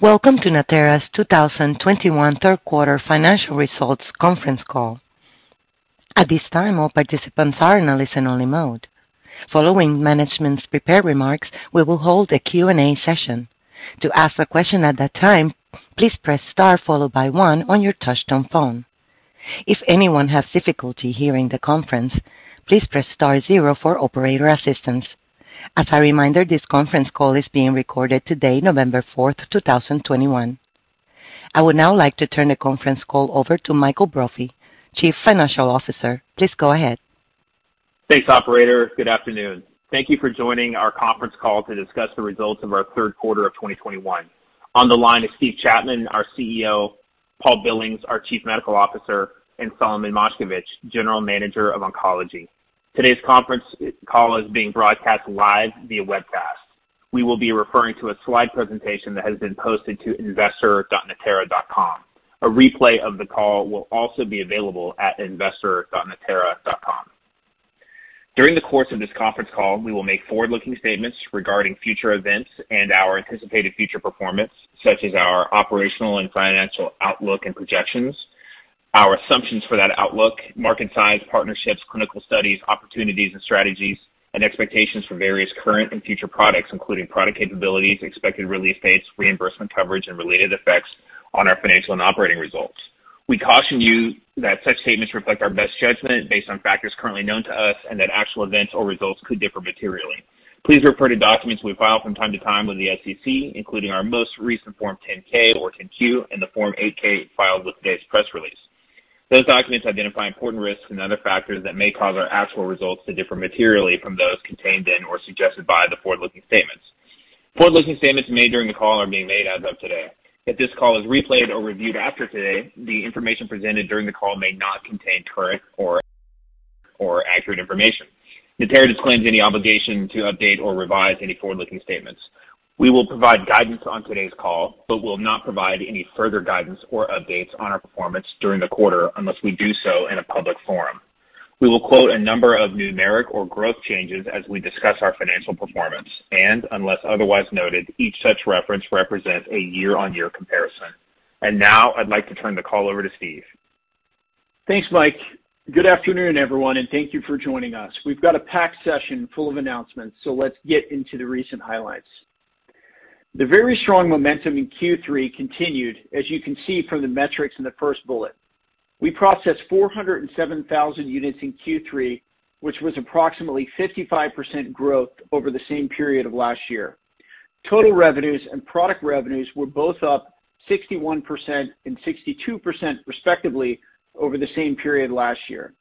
Welcome to Natera's 2021 third quarter financial results conference call. At this time, all participants are in a listen-only mode. Following management's prepared remarks, we will hold a Q&A session. To ask a question at that time, please press star followed by one on your touchtone phone. If anyone has difficulty hearing the conference, please press star zero for operator assistance. As a reminder, this conference call is being recorded today, November 4, 2021. I would now like to turn the conference call over to Michael Brophy, Chief Financial Officer. Please go ahead. Thanks, operator. Good afternoon. Thank you for joining our conference call to discuss the results of our third quarter of 2021. On the line is Steve Chapman, our CEO, Paul Billings, our Chief Medical Officer, and Solomon Moshkevich, General Manager of Oncology. Today's conference call is being broadcast live via webcast. We will be referring to a slide presentation that has been posted to investor.natera.com. A replay of the call will also be available at investor.natera.com. During the course of this conference call, we will make forward-looking statements regarding future events and our anticipated future performance, such as our operational and financial outlook and projections, our assumptions for that outlook, market size, partnerships, clinical studies, opportunities and strategies, and expectations for various current and future products, including product capabilities, expected release dates, reimbursement coverage, and related effects on our financial and operating results. We caution you that such statements reflect our best judgment based on factors currently known to us and that actual events or results could differ materially. Please refer to documents we file from time to time with the SEC, including our most recent Form 10-K or 10-Q and the Form 8-K filed with today's press release. Those documents identify important risks and other factors that may cause our actual results to differ materially from those contained in or suggested by the forward-looking statements. Forward-looking statements made during the call are being made as of today. If this call is replayed or reviewed after today, the information presented during the call may not contain current or accurate information. Natera disclaims any obligation to update or revise any forward-looking statements. We will provide guidance on today's call, but will not provide any further guidance or updates on our performance during the quarter unless we do so in a public forum. We will quote a number of numeric or growth changes as we discuss our financial performance, and unless otherwise noted, each such reference represents a year-on-year comparison. Now I'd like to turn the call over to Steve. Thanks, Michael. Good afternoon, everyone, and thank you for joining us. We've got a packed session full of announcements, so let's get into the recent highlights. The very strong momentum in Q3 continued, as you can see from the metrics in the first bullet. We processed 407,000 units in Q3, which was approximately 55% growth over the same period of last year. Total revenues and product revenues were both up 61% and 62% respectively over the same period last year.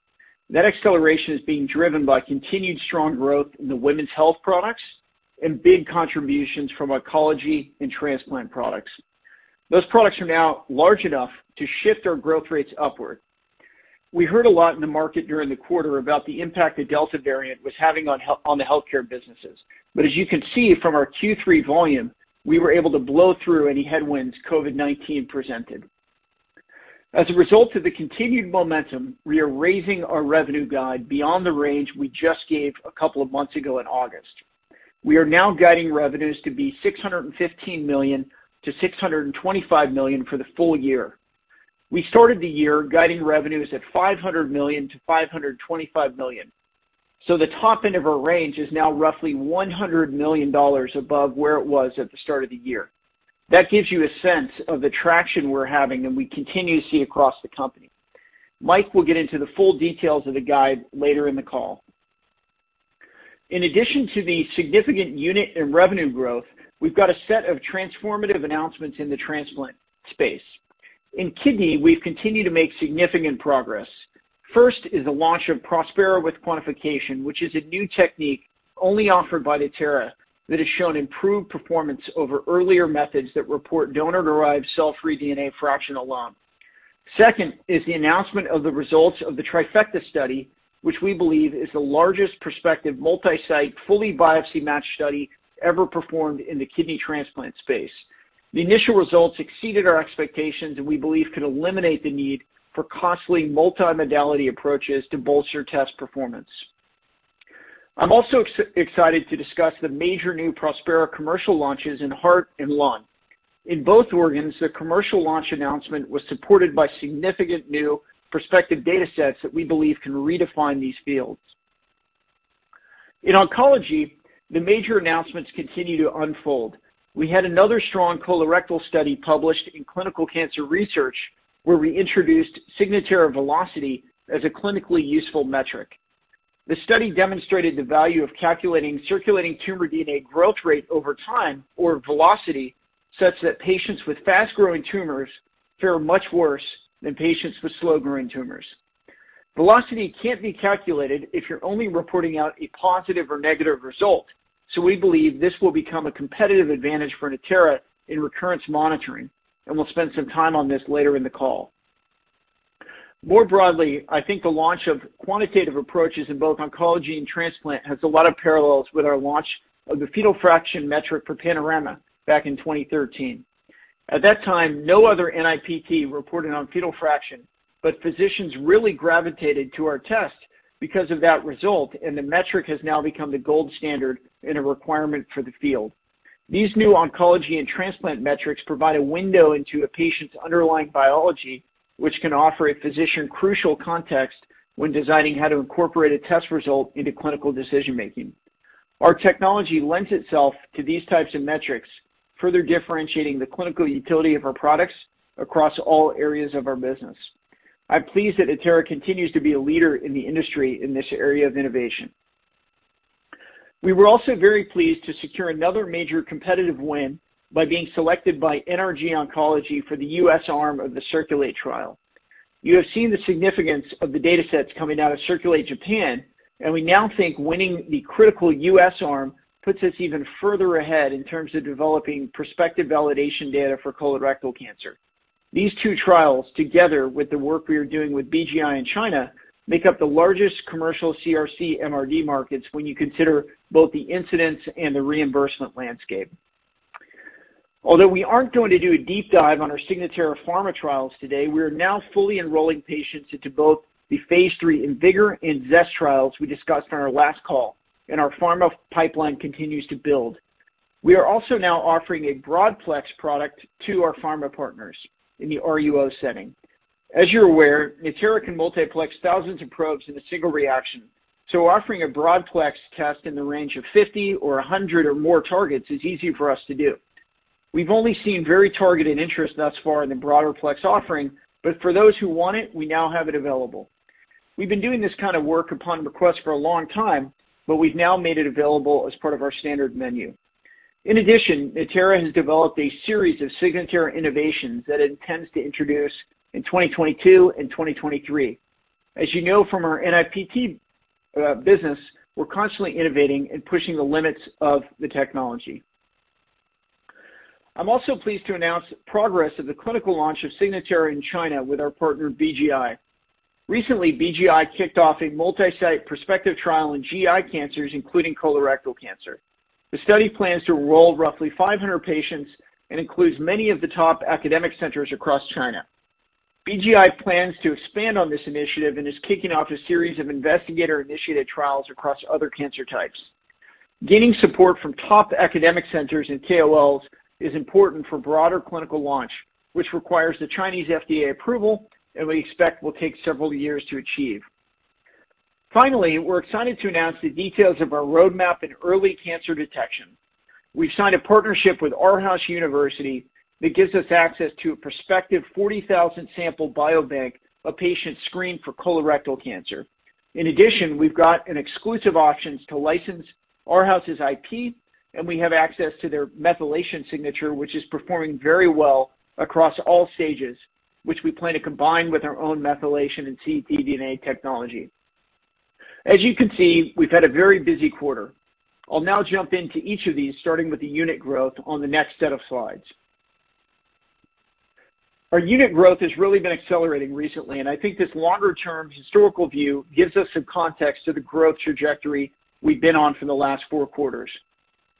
That acceleration is being driven by continued strong growth in the women's health products and big contributions from oncology and transplant products. Those products are now large enough to shift our growth rates upward. We heard a lot in the market during the quarter about the impact the Delta variant was having on the healthcare businesses. As you can see from our Q3 volume, we were able to blow through any headwinds COVID-19 presented. As a result of the continued momentum, we are raising our revenue guide beyond the range we just gave a couple of months ago in August. We are now guiding revenues to be $615 million-$625 million for the full year. We started the year guiding revenues at $500 million-$525 million. The top end of our range is now roughly $100 million above where it was at the start of the year. That gives you a sense of the traction we're having and we continue to see across the company. Michael will get into the full details of the guide later in the call. In addition to the significant unit and revenue growth, we've got a set of transformative announcements in the transplant space. In kidney, we've continued to make significant progress. First is the launch of Prospera with quantification, which is a new technique only offered by Natera that has shown improved performance over earlier methods that report donor-derived cell-free DNA fraction alone. Second is the announcement of the results of the Trifecta study, which we believe is the largest prospective multi-site, fully biopsy-matched study ever performed in the kidney transplant space. The initial results exceeded our expectations and we believe could eliminate the need for costly multimodality approaches to bolster test performance. I'm also excited to discuss the major new Prospera commercial launches in heart and lung. In both organs, the commercial launch announcement was supported by significant new prospective data sets that we believe can redefine these fields. In oncology, the major announcements continue to unfold. We had another strong colorectal study published in Clinical Cancer Research, where we introduced Signatera velocity as a clinically useful metric. The study demonstrated the value of calculating circulating tumor DNA growth rate over time, or velocity, such that patients with fast-growing tumors fare much worse than patients with slow-growing tumors. Velocity can't be calculated if you're only reporting out a positive or negative result, so we believe this will become a competitive advantage for Natera in recurrence monitoring, and we'll spend some time on this later in the call. More broadly, I think the launch of quantitative approaches in both oncology and transplant has a lot of parallels with our launch of the fetal fraction metric for Panorama back in 2013. At that time, no other NIPT reported on fetal fraction, but physicians really gravitated to our test because of that result, and the metric has now become the gold standard and a requirement for the field. These new oncology and transplant metrics provide a window into a patient's underlying biology, which can offer a physician crucial context when designing how to incorporate a test result into clinical decision-making. Our technology lends itself to these types of metrics, further differentiating the clinical utility of our products across all areas of our business. I'm pleased that Natera continues to be a leader in the industry in this area of innovation. We were also very pleased to secure another major competitive win by being selected by NRG Oncology for the U.S. arm of the CIRCULATE trial. You have seen the significance of the data sets coming out of CIRCULATE-Japan, and we now think winning the critical U.S. arm puts us even further ahead in terms of developing prospective validation data for colorectal cancer. These two trials, together with the work we are doing with BGI in China, make up the largest commercial CRC MRD markets when you consider both the incidence and the reimbursement landscape. Although we aren't going to do a deep dive on our Signatera pharma trials today, we are now fully enrolling patients into both the phase III IMvigor011 and ZEST trials we discussed on our last call, and our pharma pipeline continues to build. We are also now offering a broadplex product to our pharma partners in the RUO setting. As you're aware, Natera can multiplex thousands of probes in a single reaction, so offering a broadplex test in the range of 50 or 100 or more targets is easy for us to do. We've only seen very targeted interest thus far in the broader plex offering, but for those who want it, we now have it available. We've been doing this kind of work upon request for a long time, but we've now made it available as part of our standard menu. In addition, Natera has developed a series of Signatera innovations that it intends to introduce in 2022 and 2023. As you know from our NIPT business, we're constantly innovating and pushing the limits of the technology. I'm also pleased to announce progress of the clinical launch of Signatera in China with our partner BGI. Recently, BGI kicked off a multi-site prospective trial in GI cancers, including colorectal cancer. The study plans to enroll roughly 500 patients and includes many of the top academic centers across China. BGI plans to expand on this initiative and is kicking off a series of investigator-initiated trials across other cancer types. Gaining support from top academic centers and KOLs is important for broader clinical launch, which requires the Chinese FDA approval and we expect will take several years to achieve. Finally, we're excited to announce the details of our roadmap in early cancer detection. We've signed a partnership with Aarhus University that gives us access to a prospective 40,000-sample biobank of patients screened for colorectal cancer. In addition, we've got an exclusive options to license Aarhus's IP, and we have access to their methylation signature, which is performing very well across all stages, which we plan to combine with our own methylation and ctDNA technology. As you can see, we've had a very busy quarter. I'll now jump into each of these, starting with the unit growth on the next set of slides. Our unit growth has really been accelerating recently, and I think this longer-term historical view gives us some context to the growth trajectory we've been on for the last four quarters.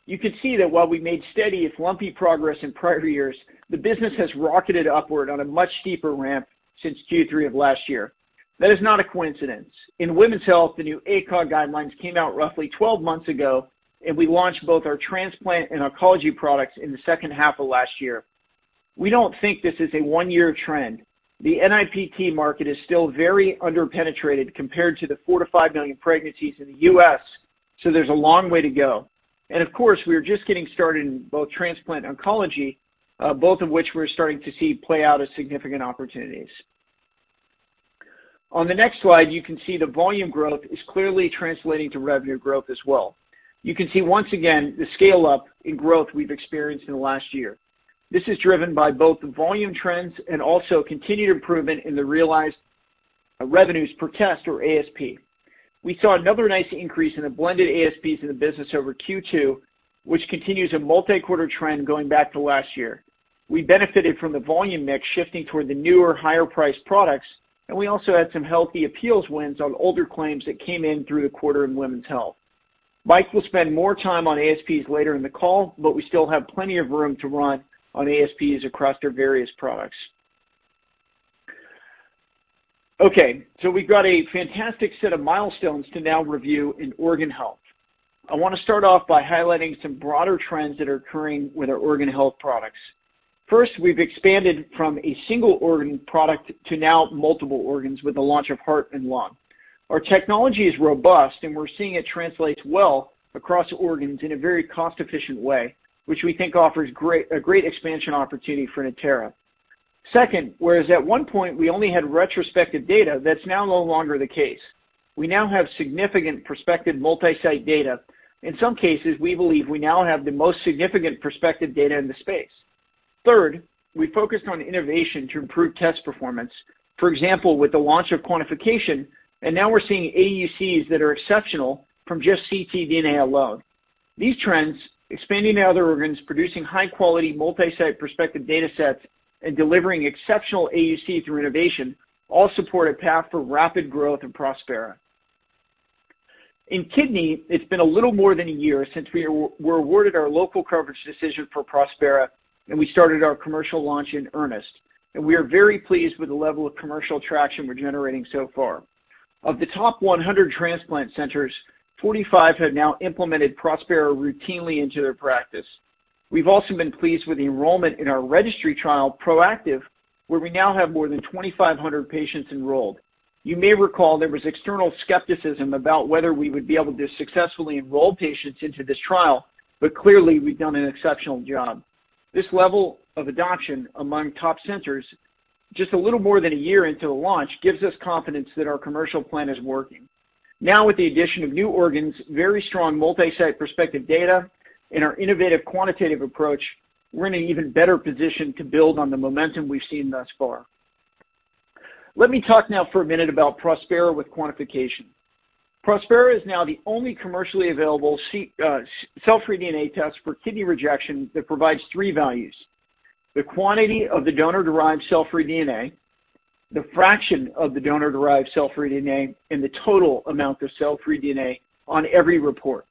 You can see that while we made steady, if lumpy, progress in prior years, the business has rocketed upward on a much steeper ramp since Q3 of last year. That is not a coincidence. In women's health, the new ACOG guidelines came out roughly 12 months ago, and we launched both our transplant and oncology products in the second half of last year. We don't think this is a one-year trend. The NIPT market is still very under-penetrated compared to the 4-5 million pregnancies in the U.S., so there's a long way to go. Of course, we are just getting started in both transplant and oncology, both of which we're starting to see play out as significant opportunities. On the next slide, you can see the volume growth is clearly translating to revenue growth as well. You can see once again the scale-up in growth we've experienced in the last year. This is driven by both the volume trends and also continued improvement in the realized revenues per test or ASP. We saw another nice increase in the blended ASPs in the business over Q2, which continues a multi-quarter trend going back to last year. We benefited from the volume mix shifting toward the newer, higher-priced products, and we also had some healthy appeals wins on older claims that came in through the quarter in women's health. Michael will spend more time on ASPs later in the call, but we still have plenty of room to run on ASPs across their various products. Okay, so we've got a fantastic set of milestones to now review in organ health. I want to start off by highlighting some broader trends that are occurring with our organ health products. First, we've expanded from a single organ product to now multiple organs with the launch of heart and lung. Our technology is robust, and we're seeing it translates well across organs in a very cost-efficient way, which we think offers great expansion opportunity for Natera. Second, whereas at one point we only had retrospective data, that's now no longer the case. We now have significant prospective multi-site data. In some cases, we believe we now have the most significant prospective data in the space. Third, we focused on innovation to improve test performance, for example, with the launch of quantification, and now we're seeing AUCs that are exceptional from just ctDNA alone. These trends, expanding to other organs, producing high-quality multi-site prospective data sets, and delivering exceptional AUC through innovation, all support a path for rapid growth in Prospera. In kidney, it's been a little more than a year since we were awarded our local coverage decision for Prospera, and we started our commercial launch in earnest. We are very pleased with the level of commercial traction we're generating so far. Of the top 100 transplant centers, 45 have now implemented Prospera routinely into their practice. We've also been pleased with the enrollment in our registry trial ProActive, where we now have more than 2,500 patients enrolled. You may recall there was external skepticism about whether we would be able to successfully enroll patients into this trial, but clearly we've done an exceptional job. This level of adoption among top centers just a little more than a year into the launch gives us confidence that our commercial plan is working. Now, with the addition of new organs, very strong multi-site prospective data, and our innovative quantitative approach, we're in an even better position to build on the momentum we've seen thus far. Let me talk now for a minute about Prospera with quantification. Prospera is now the only commercially available cell-free DNA test for kidney rejection that provides three values, the quantity of the donor-derived cell-free DNA, the fraction of the donor-derived cell-free DNA, and the total amount of cell-free DNA on every report.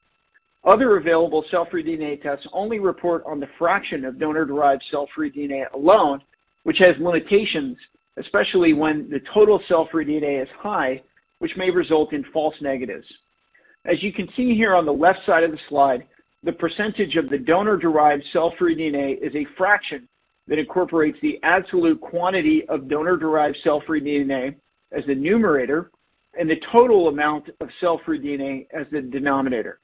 Other available cell-free DNA tests only report on the fraction of donor-derived cell-free DNA alone, which has limitations, especially when the total cell-free DNA is high, which may result in false negatives. As you can see here on the left side of the slide, the percentage of the donor-derived cell-free DNA is a fraction that incorporates the absolute quantity of donor-derived cell-free DNA as the numerator and the total amount of cell-free DNA as the denominator.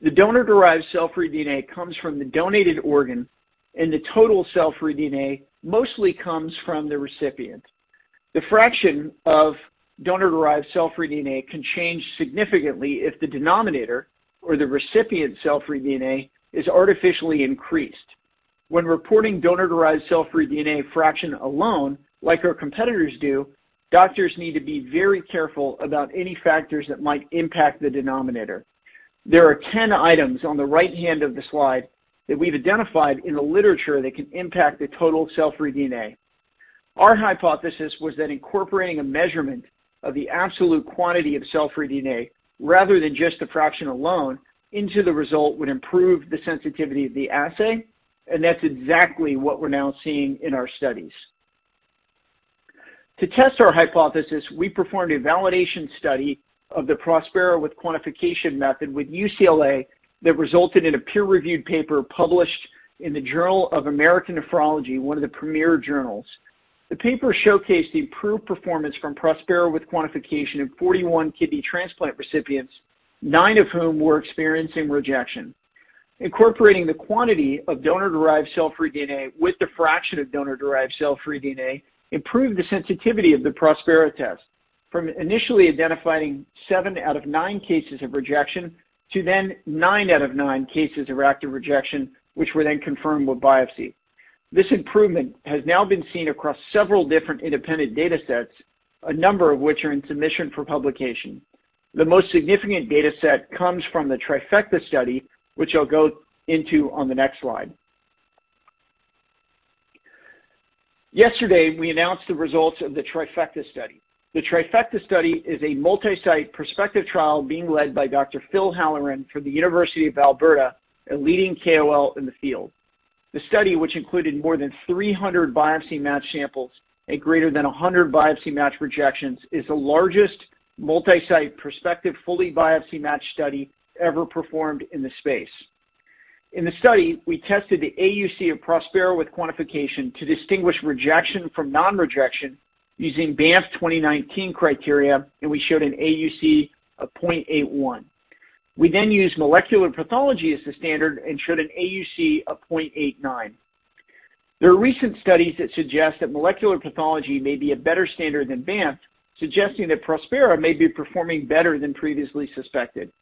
The donor-derived cell-free DNA comes from the donated organ, and the total cell-free DNA mostly comes from the recipient. The fraction of donor-derived cell-free DNA can change significantly if the denominator or the recipient cell-free DNA is artificially increased. When reporting donor-derived cell-free DNA fraction alone, like our competitors do, doctors need to be very careful about any factors that might impact the denominator. There are 10 items on the right hand of the slide that we've identified in the literature that can impact the total cell-free DNA. Our hypothesis was that incorporating a measurement of the absolute quantity of cell-free DNA, rather than just the fraction alone into the result, would improve the sensitivity of the assay, and that's exactly what we're now seeing in our studies. To test our hypothesis, we performed a validation study of the Prospera with quantification method with UCLA that resulted in a peer-reviewed paper published in the Journal of the American Society of Nephrology, one of the premier journals. The paper showcased the improved performance from Prospera with quantification in 41 kidney transplant recipients, nine of whom were experiencing rejection. Incorporating the quantity of donor-derived cell-free DNA with the fraction of donor-derived cell-free DNA improved the sensitivity of the Prospera test from initially identifying seven out of nine cases of rejection to then nine out of nine cases of active rejection, which were then confirmed with biopsy. This improvement has now been seen across several different independent data sets, a number of which are in submission for publication. The most significant data set comes from the Trifecta study, which I'll go into on the next slide. Yesterday, we announced the results of the Trifecta study. The Trifecta study is a multi-site prospective trial being led by Dr. Phil Halloran from the University of Alberta, a leading KOL in the field. The study, which included more than 300 biopsy match samples and greater than 100 biopsy match rejections, is the largest multi-site prospective, fully biopsy match study ever performed in the space. In the study, we tested the AUC of Prospera with quantification to distinguish rejection from non-rejection using Banff 2019 criteria, and we showed an AUC of 0.81. We then used molecular pathology as the standard and showed an AUC of 0.89. There are recent studies that suggest that molecular pathology may be a better standard than Banff, suggesting that Prospera may be performing better than previously suspected.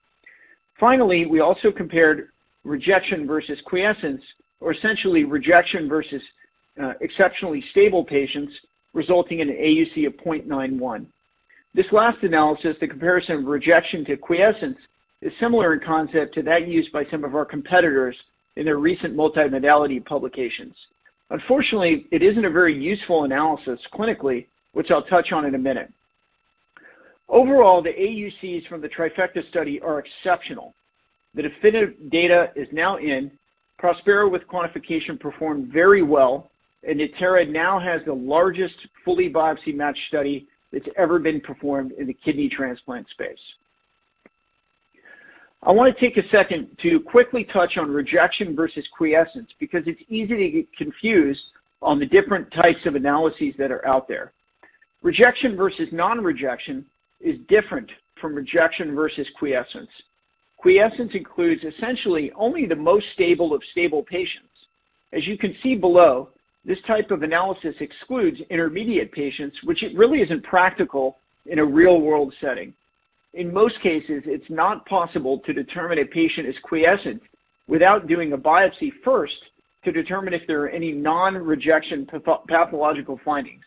Finally, we also compared rejection versus quiescence, or essentially rejection versus exceptionally stable patients, resulting in an AUC of 0.91. This last analysis, the comparison of rejection to quiescence, is similar in concept to that used by some of our competitors in their recent multimodality publications. Unfortunately, it isn't a very useful analysis clinically, which I'll touch on in a minute. Overall, the AUCs from the Trifecta study are exceptional. The definitive data is now in. Prospera with quantification performed very well, and Natera now has the largest fully biopsy match study that's ever been performed in the kidney transplant space. I wanna take a second to quickly touch on rejection versus quiescence because it's easy to get confused on the different types of analyses that are out there. Rejection versus non-rejection is different from rejection versus quiescence. Quiescence includes essentially only the most stable of stable patients. As you can see below, this type of analysis excludes intermediate patients, which really isn't practical in a real-world setting. In most cases, it's not possible to determine a patient is quiescent without doing a biopsy first to determine if there are any non-rejection pathophysiological findings.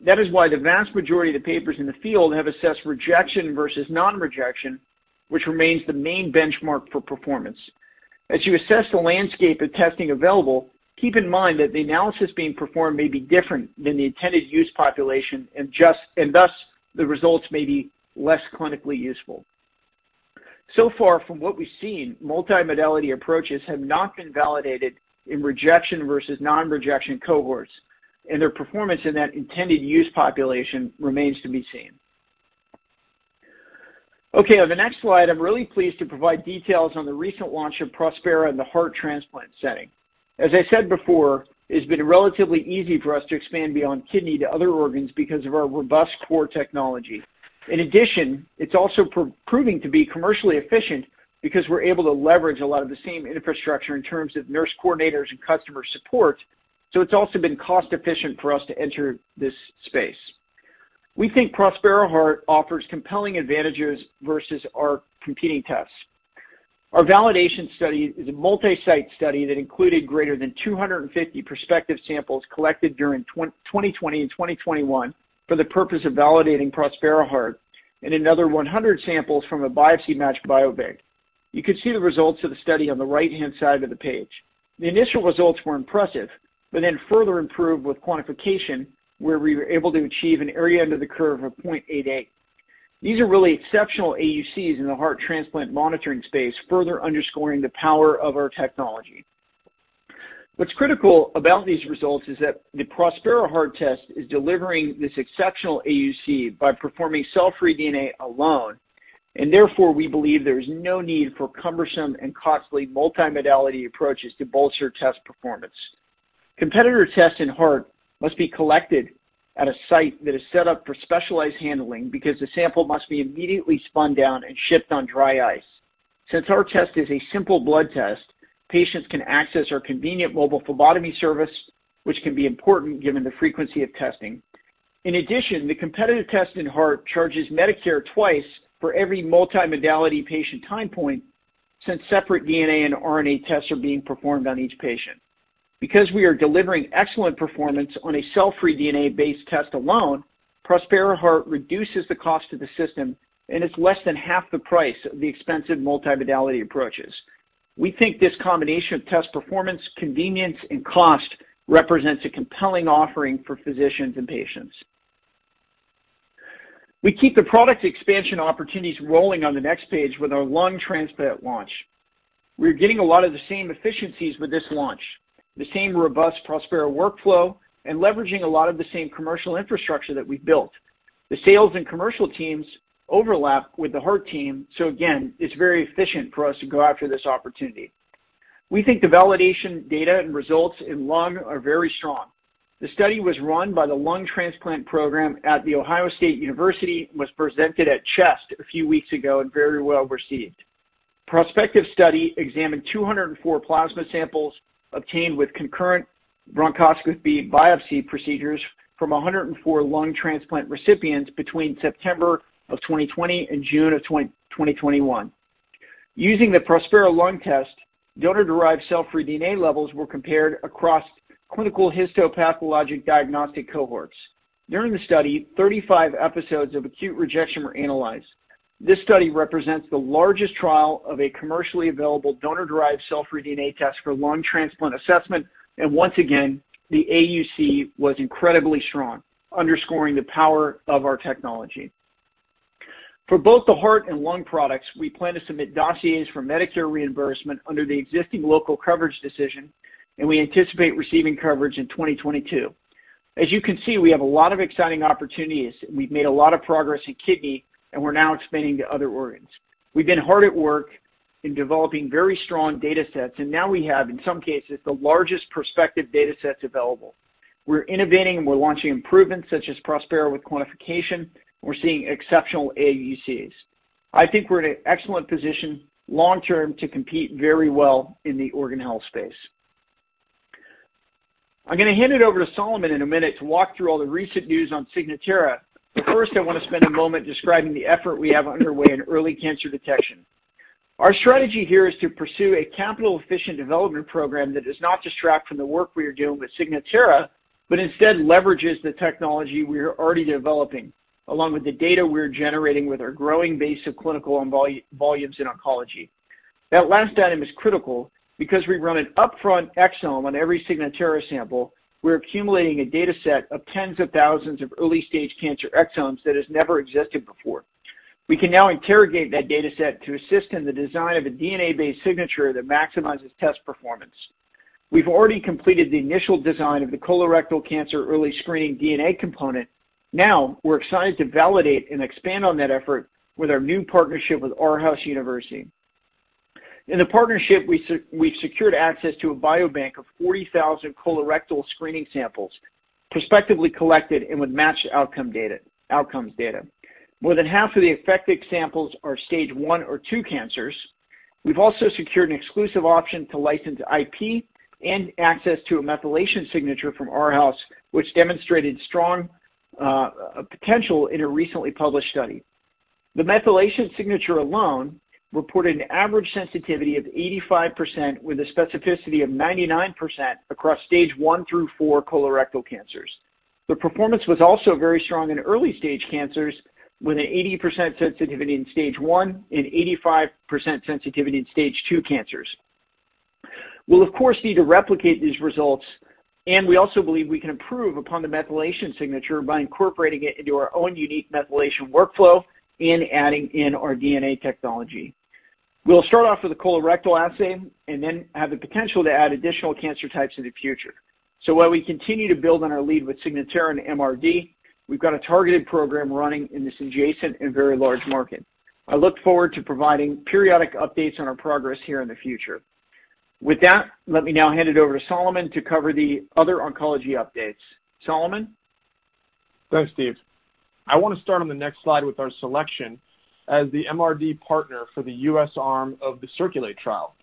That is why the vast majority of the papers in the field have assessed rejection versus non-rejection, which remains the main benchmark for performance. As you assess the landscape of testing available, keep in mind that the analysis being performed may be different than the intended use population and thus, the results may be less clinically useful. So far, from what we've seen, multimodality approaches have not been validated in rejection versus non-rejection cohorts, and their performance in that intended use population remains to be seen. Okay, on the next slide, I'm really pleased to provide details on the recent launch of Prospera in the heart transplant setting. As I said before, it's been relatively easy for us to expand beyond kidney to other organs because of our robust core technology. In addition, it's also proving to be commercially efficient because we're able to leverage a lot of the same infrastructure in terms of nurse coordinators and customer support, so it's also been cost-efficient for us to enter this space. We think Prospera Heart offers compelling advantages versus our competing tests. Our validation study is a multi-site study that included greater than 250 prospective samples collected during 2020 and 2021 for the purpose of validating Prospera Heart and another 100 samples from a biopsy match biobank. You can see the results of the study on the right-hand side of the page. The initial results were impressive, but then further improved with quantification, where we were able to achieve an area under the curve of 0.88. These are really exceptional AUCs in the heart transplant monitoring space, further underscoring the power of our technology. What's critical about these results is that the Prospera Heart test is delivering this exceptional AUC by performing cell-free DNA alone, and therefore, we believe there is no need for cumbersome and costly multimodality approaches to bolster test performance. Competitor tests in heart must be collected at a site that is set up for specialized handling because the sample must be immediately spun down and shipped on dry ice. Since our test is a simple blood test, patients can access our convenient mobile phlebotomy service, which can be important given the frequency of testing. In addition, the competitive test in heart charges Medicare twice for every multimodality patient time point, since separate DNA and RNA tests are being performed on each patient. Because we are delivering excellent performance on a cell-free DNA-based test alone, Prospera Heart reduces the cost to the system and is less than half the price of the expensive multimodality approaches. We think this combination of test performance, convenience, and cost represents a compelling offering for physicians and patients. We keep the product expansion opportunities rolling on the next page with our lung transplant launch. We're getting a lot of the same efficiencies with this launch, the same robust Prospera workflow, and leveraging a lot of the same commercial infrastructure that we built. The sales and commercial teams overlap with the Heart team, so again, it's very efficient for us to go after this opportunity. We think the validation data and results in lung are very strong. The study was run by the lung transplant program at The Ohio State University and was presented at CHEST a few weeks ago and very well received. Prospective study examined 204 plasma samples obtained with concurrent bronchoscopy biopsy procedures from 104 lung transplant recipients between September 2020 and June 2021. Using the Prospera Lung test, donor-derived cell-free DNA levels were compared across clinical histopathologic diagnostic cohorts. During the study, 35 episodes of acute rejection were analyzed. This study represents the largest trial of a commercially available donor-derived cell-free DNA test for lung transplant assessment, and once again, the AUC was incredibly strong, underscoring the power of our technology. For both the heart and lung products, we plan to submit dossiers for Medicare reimbursement under the existing local coverage decision, and we anticipate receiving coverage in 2022. As you can see, we have a lot of exciting opportunities. We've made a lot of progress in kidney, and we're now expanding to other organs. We've been hard at work in developing very strong data sets, and now we have, in some cases, the largest prospective data sets available. We're innovating, we're launching improvements such as Prospera with quantification, and we're seeing exceptional AUCs. I think we're in an excellent position long term to compete very well in the organ health space. I'm gonna hand it over to Solomon in a minute to walk through all the recent news on Signatera, but first, I want to spend a moment describing the effort we have underway in early cancer detection. Our strategy here is to pursue a capital-efficient development program that does not distract from the work we are doing with Signatera, but instead leverages the technology we are already developing, along with the data we're generating with our growing base of clinical and volumes in oncology. That last item is critical. Because we run an upfront exome on every Signatera sample, we're accumulating a data set of tens of thousands of early-stage cancer exomes that has never existed before. We can now interrogate that data set to assist in the design of a DNA-based signature that maximizes test performance. We've already completed the initial design of the colorectal cancer early screening DNA component. Now we're excited to validate and expand on that effort with our new partnership with Aarhus University. In the partnership, we've secured access to a biobank of 40,000 colorectal screening samples, prospectively collected and with matched outcome data. More than half of the affected samples are Stage I or II cancers. We've also secured an exclusive option to license IP and access to a methylation signature from Aarhus, which demonstrated strong potential in a recently published study. The methylation signature alone reported an average sensitivity of 85% with a specificity of nine9% across Stage I-IV colorectal cancers. The performance was also very strong in early-stage cancers with an 80% sensitivity in stage I and 85% sensitivity in stage II cancers. We'll of course need to replicate these results, and we also believe we can improve upon the methylation signature by incorporating it into our own unique methylation workflow and adding in our DNA technology. We'll start off with the colorectal assay and then have the potential to add additional cancer types in the future. While we continue to build on our lead with Signatera and MRD, we've got a targeted program running in this adjacent and very large market. I look forward to providing periodic updates on our progress here in the future. With that, let me now hand it over to Solomon to cover the other oncology updates. Solomon? Thanks, Steve. I want to start on the next slide with our selection as the MRD partner for the U.S. arm of the CIRCULATE trial.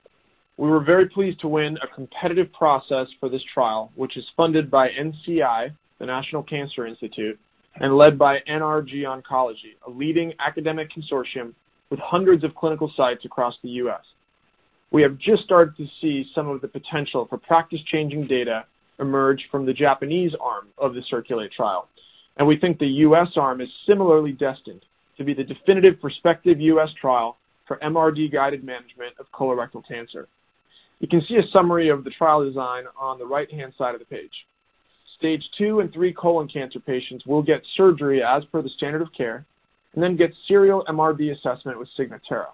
We were very pleased to win a competitive process for this trial, which is funded by NCI, the National Cancer Institute, and led by NRG Oncology, a leading academic consortium with hundreds of clinical sites across the U.S. We have just started to see some of the potential for practice-changing data emerge from the Japanese arm of the CIRCULATE trial, and we think the U.S. arm is similarly destined to be the definitive prospective U.S. trial for MRD-guided management of colorectal cancer. You can see a summary of the trial design on the right-hand side of the page. Stage two and three colon cancer patients will get surgery as per the standard of care and then get serial MRD assessment with Signatera.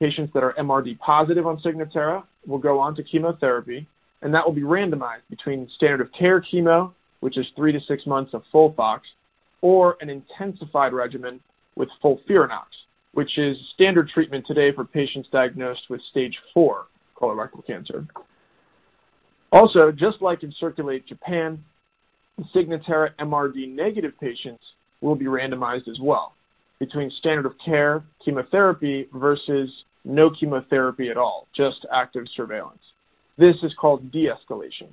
Patients that are MRD positive on Signatera will go on to chemotherapy, and that will be randomized between standard of care chemo, which is 3-6 months of FOLFOX, or an intensified regimen with FOLFIRINOX, which is standard treatment today for patients diagnosed with stage four colorectal cancer. Also, just like in CIRCULATE Japan, Signatera MRD-negative patients will be randomized as well between standard of care chemotherapy versus no chemotherapy at all, just active surveillance. This is called de-escalation.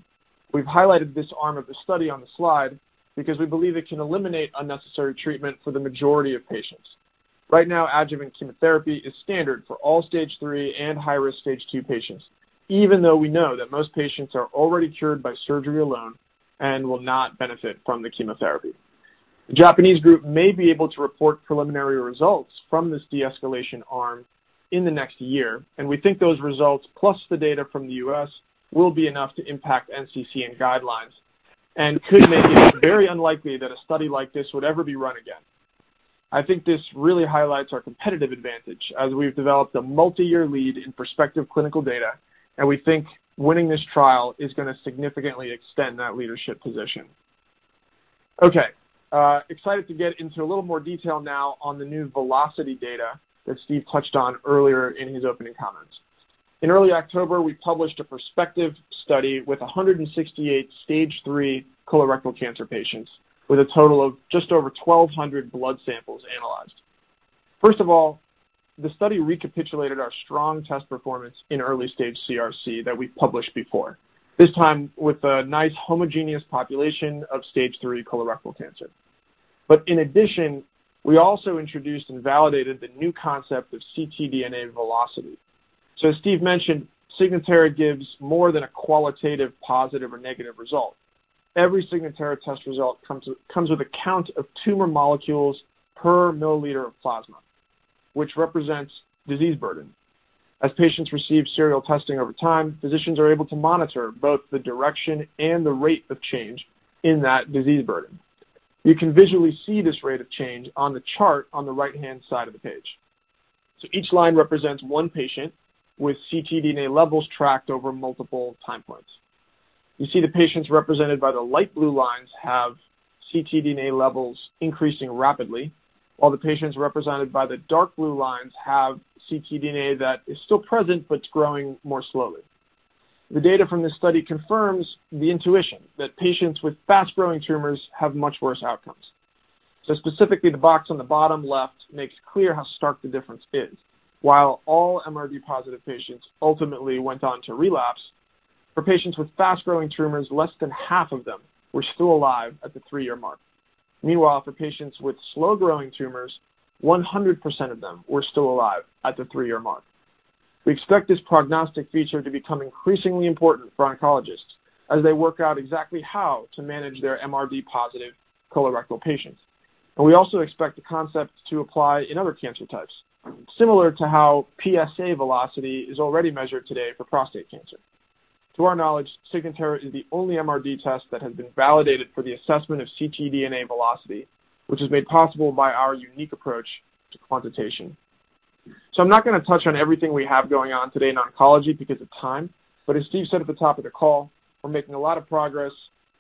We've highlighted this arm of the study on the slide because we believe it can eliminate unnecessary treatment for the majority of patients. Right now, adjuvant chemotherapy is standard for all stage three and high-risk stage two patients, even though we know that most patients are already cured by surgery alone and will not benefit from the chemotherapy. The Japanese group may be able to report preliminary results from this de-escalation arm in the next year, and we think those results, plus the data from the U.S., will be enough to impact NCCN guidelines and could make it very unlikely that a study like this would ever be run again. I think this really highlights our competitive advantage as we've developed a multiyear lead in prospective clinical data, and we think winning this trial is going to significantly extend that leadership position. Okay, excited to get into a little more detail now on the new velocity data that Steve touched on earlier in his opening comments. In early October, we published a prospective study with 168 stage three colorectal cancer patients with a total of just over 1,200 blood samples analyzed. First of all, the study recapitulated our strong test performance in early-stage CRC that we've published before, this time with a nice homogeneous population of stage III colorectal cancer. In addition, we also introduced and validated the new concept of ctDNA velocity. As Steve mentioned, Signatera gives more than a qualitative positive or negative result. Every Signatera test result comes with a count of tumor molecules per milliliter of plasma, which represents disease burden. As patients receive serial testing over time, physicians are able to monitor both the direction and the rate of change in that disease burden. You can visually see this rate of change on the chart on the right-hand side of the page. Each line represents one patient with ctDNA levels tracked over multiple time points. You see the patients represented by the light blue lines have ctDNA levels increasing rapidly, while the patients represented by the dark blue lines have ctDNA that is still present, but it's growing more slowly. The data from this study confirms the intuition that patients with fast-growing tumors have much worse outcomes. Specifically, the box on the bottom left makes clear how stark the difference is. While all MRD positive patients ultimately went on to relapse, for patients with fast-growing tumors, less than half of them were still alive at the three-year mark. Meanwhile, for patients with slow-growing tumors, 100% of them were still alive at the three-year mark. We expect this prognostic feature to become increasingly important for oncologists as they work out exactly how to manage their MRD positive colorectal patients. We also expect the concept to apply in other cancer types, similar to how PSA velocity is already measured today for prostate cancer. To our knowledge, Signatera is the only MRD test that has been validated for the assessment of ctDNA velocity, which is made possible by our unique approach to quantitation. I'm not going to touch on everything we have going on today in oncology because of time, but as Steve said at the top of the call, we're making a lot of progress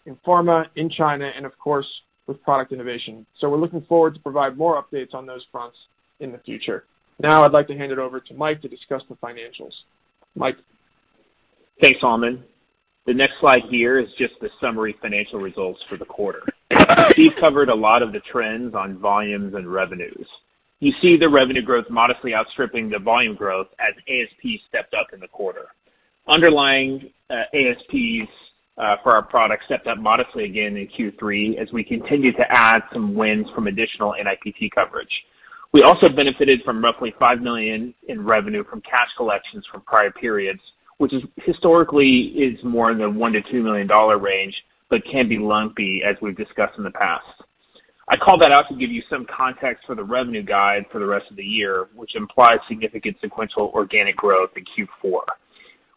in pharma, in China, and of course, with product innovation. We're looking forward to provide more updates on those fronts in the future. Now I'd like to hand it over to Michael to discuss the financials. Michael? Thanks, Solomon. The next slide here is just the summary financial results for the quarter. Steve covered a lot of the trends on volumes and revenues. You see the revenue growth modestly outstripping the volume growth as ASP stepped up in the quarter. Underlying ASPs for our products stepped up modestly again in Q3 as we continued to add some wins from additional NIPT coverage. We also benefited from roughly $5 million in revenue from cash collections from prior periods, which is historically more in the $1 million-$2 million range, but can be lumpy as we've discussed in the past. I call that out to give you some context for the revenue guide for the rest of the year, which implies significant sequential organic growth in Q4.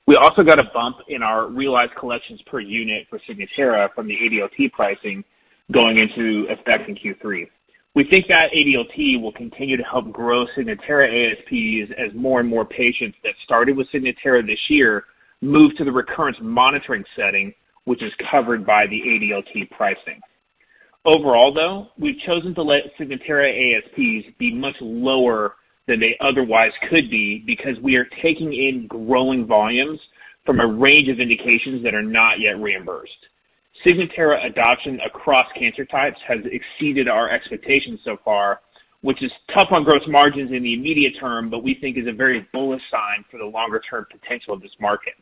We also got a bump in our realized collections per unit for Signatera from the ADLT pricing going into effect in Q3. We think that ADLT will continue to help grow Signatera ASPs as more and more patients that started with Signatera this year move to the recurrence monitoring setting, which is covered by the ADLT pricing. Overall, though, we've chosen to let Signatera ASPs be much lower than they otherwise could be because we are taking in growing volumes from a range of indications that are not yet reimbursed. Signatera adoption across cancer types has exceeded our expectations so far, which is tough on gross margins in the immediate term, but we think is a very bullish sign for the longer-term potential of this market.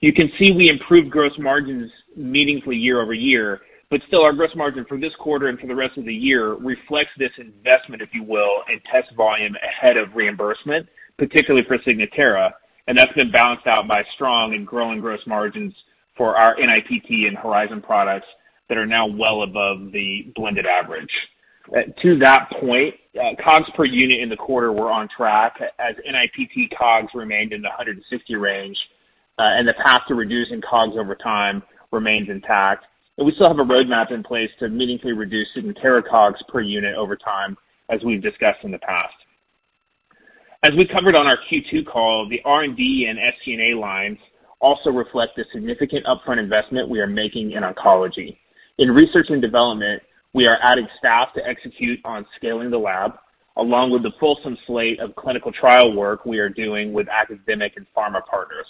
You can see we improved gross margins meaningfully year-over-year, but still our gross margin for this quarter and for the rest of the year reflects this investment, if you will, in test volume ahead of reimbursement, particularly for Signatera. That's been balanced out by strong and growing gross margins for our NIPT and Horizon products that are now well above the blended average. To that point, COGS per unit in the quarter were on track as NIPT COGS remained in the $150 range, and the path to reducing COGS over time remains intact. We still have a roadmap in place to meaningfully reduce Signatera COGS per unit over time, as we've discussed in the past. As we covered on our Q2 call, the R&D and SG&A lines also reflect the significant upfront investment we are making in oncology. In research and development, we are adding staff to execute on scaling the lab, along with the fulsome slate of clinical trial work we are doing with academic and pharma partners.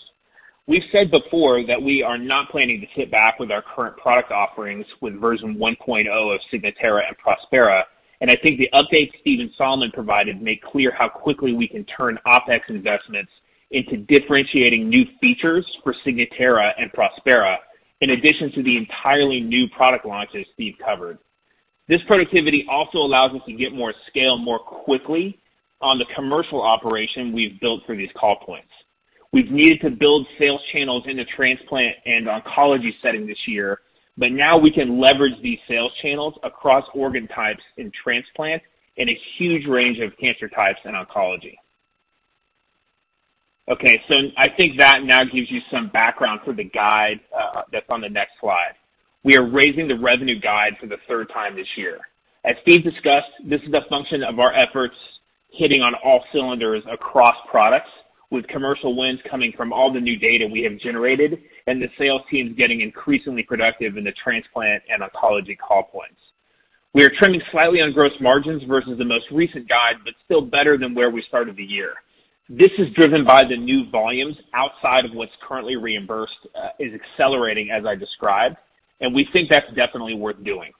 We've said before that we are not planning to sit back with our current product offerings with version 1.0 of Signatera and Prospera, and I think the update Solomon Moshkevich provided made clear how quickly we can turn OpEx investments into differentiating new features for Signatera and Prospera, in addition to the entirely new product launches Steve covered. This productivity also allows us to get more scale more quickly on the commercial operation we've built for these call points. We've needed to build sales channels into transplant and oncology setting this year, but now we can leverage these sales channels across organ types in transplant and a huge range of cancer types in oncology. Okay, I think that now gives you some background for the guide, that's on the next slide. We are raising the revenue guide for the third time this year. As Steve discussed, this is a function of our efforts hitting on all cylinders across products, with commercial wins coming from all the new data we have generated and the sales teams getting increasingly productive in the transplant and oncology call points. We are trimming slightly on gross margins versus the most recent guide, but still better than where we started the year. This is driven by the new volumes outside of what's currently reimbursed, is accelerating as I described, and we think that's definitely worth doing.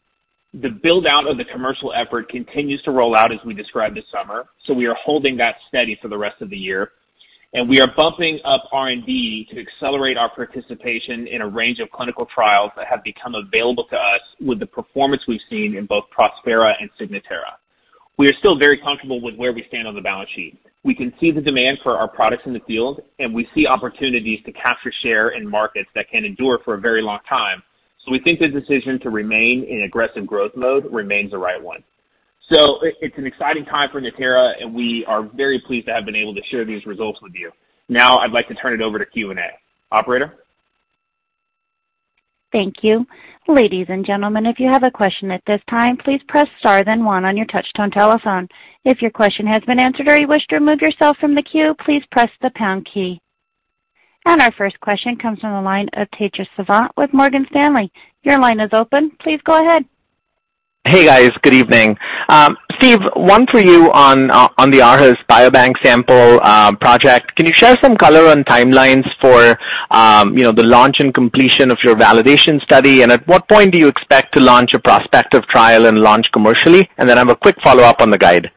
The build-out of the commercial effort continues to roll out as we described this summer, so we are holding that steady for the rest of the year. We are bumping up R&D to accelerate our participation in a range of clinical trials that have become available to us with the performance we've seen in both Prospera and Signatera. We are still very comfortable with where we stand on the balance sheet. We can see the demand for our products in the field, and we see opportunities to capture share in markets that can endure for a very long time. We think the decision to remain in aggressive growth mode remains the right one. It's an exciting time for Natera, and we are very pleased to have been able to share these results with you. Now I'd like to turn it over to Q&A. Operator? Thank you. Ladies and gentlemen, if you have a question at this time, please press star then one on your touch tone telephone. If your question has been answered or you wish to remove yourself from the queue, please press the pound key. Our first question comes from the line of Tejas Savant with Morgan Stanley. Your line is open. Please go ahead. Hey, guys, good evening. Steve, one for you on the Aarhus Biobank sample project. Can you share some color on timelines for, you know, the launch and completion of your validation study? At what point do you expect to launch a prospective trial and launch commercially? Then I have a quick follow-up on the guide.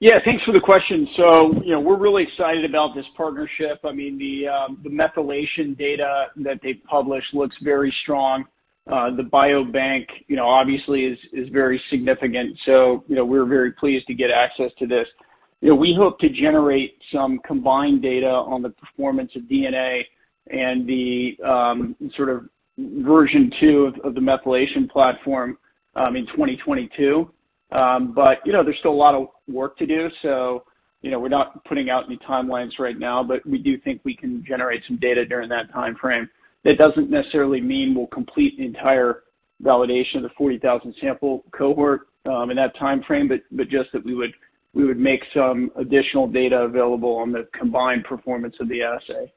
Yeah, thanks for the question. You know, we're really excited about this partnership. I mean, the methylation data that they published looks very strong. The biobank, you know, obviously is very significant. You know, we're very pleased to get access to this. You know, we hope to generate some combined data on the performance of DNA and the sort of version 2 of the methylation platform in 2022. You know, there's still a lot of work to do, you know, we're not putting out any timelines right now, but we do think we can generate some data during that timeframe. That doesn't necessarily mean we'll complete the entire validation of the 40,000 sample cohort in that timeframe, but just that we would make some additional data available on the combined performance of the assay.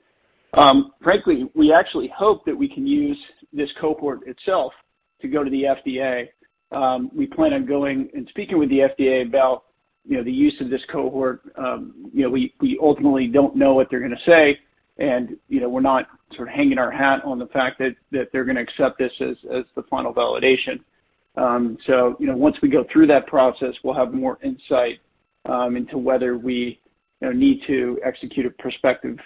Frankly, we actually hope that we can use this cohort itself to go to the FDA. We plan on going and speaking with the FDA about, you know, the use of this cohort. You know, we ultimately don't know what they're gonna say and, you know, we're not sort of hanging our hat on the fact that they're gonna accept this as the final validation. You know, once we go through that process, we'll have more insight into whether we, you know, need to execute a prospective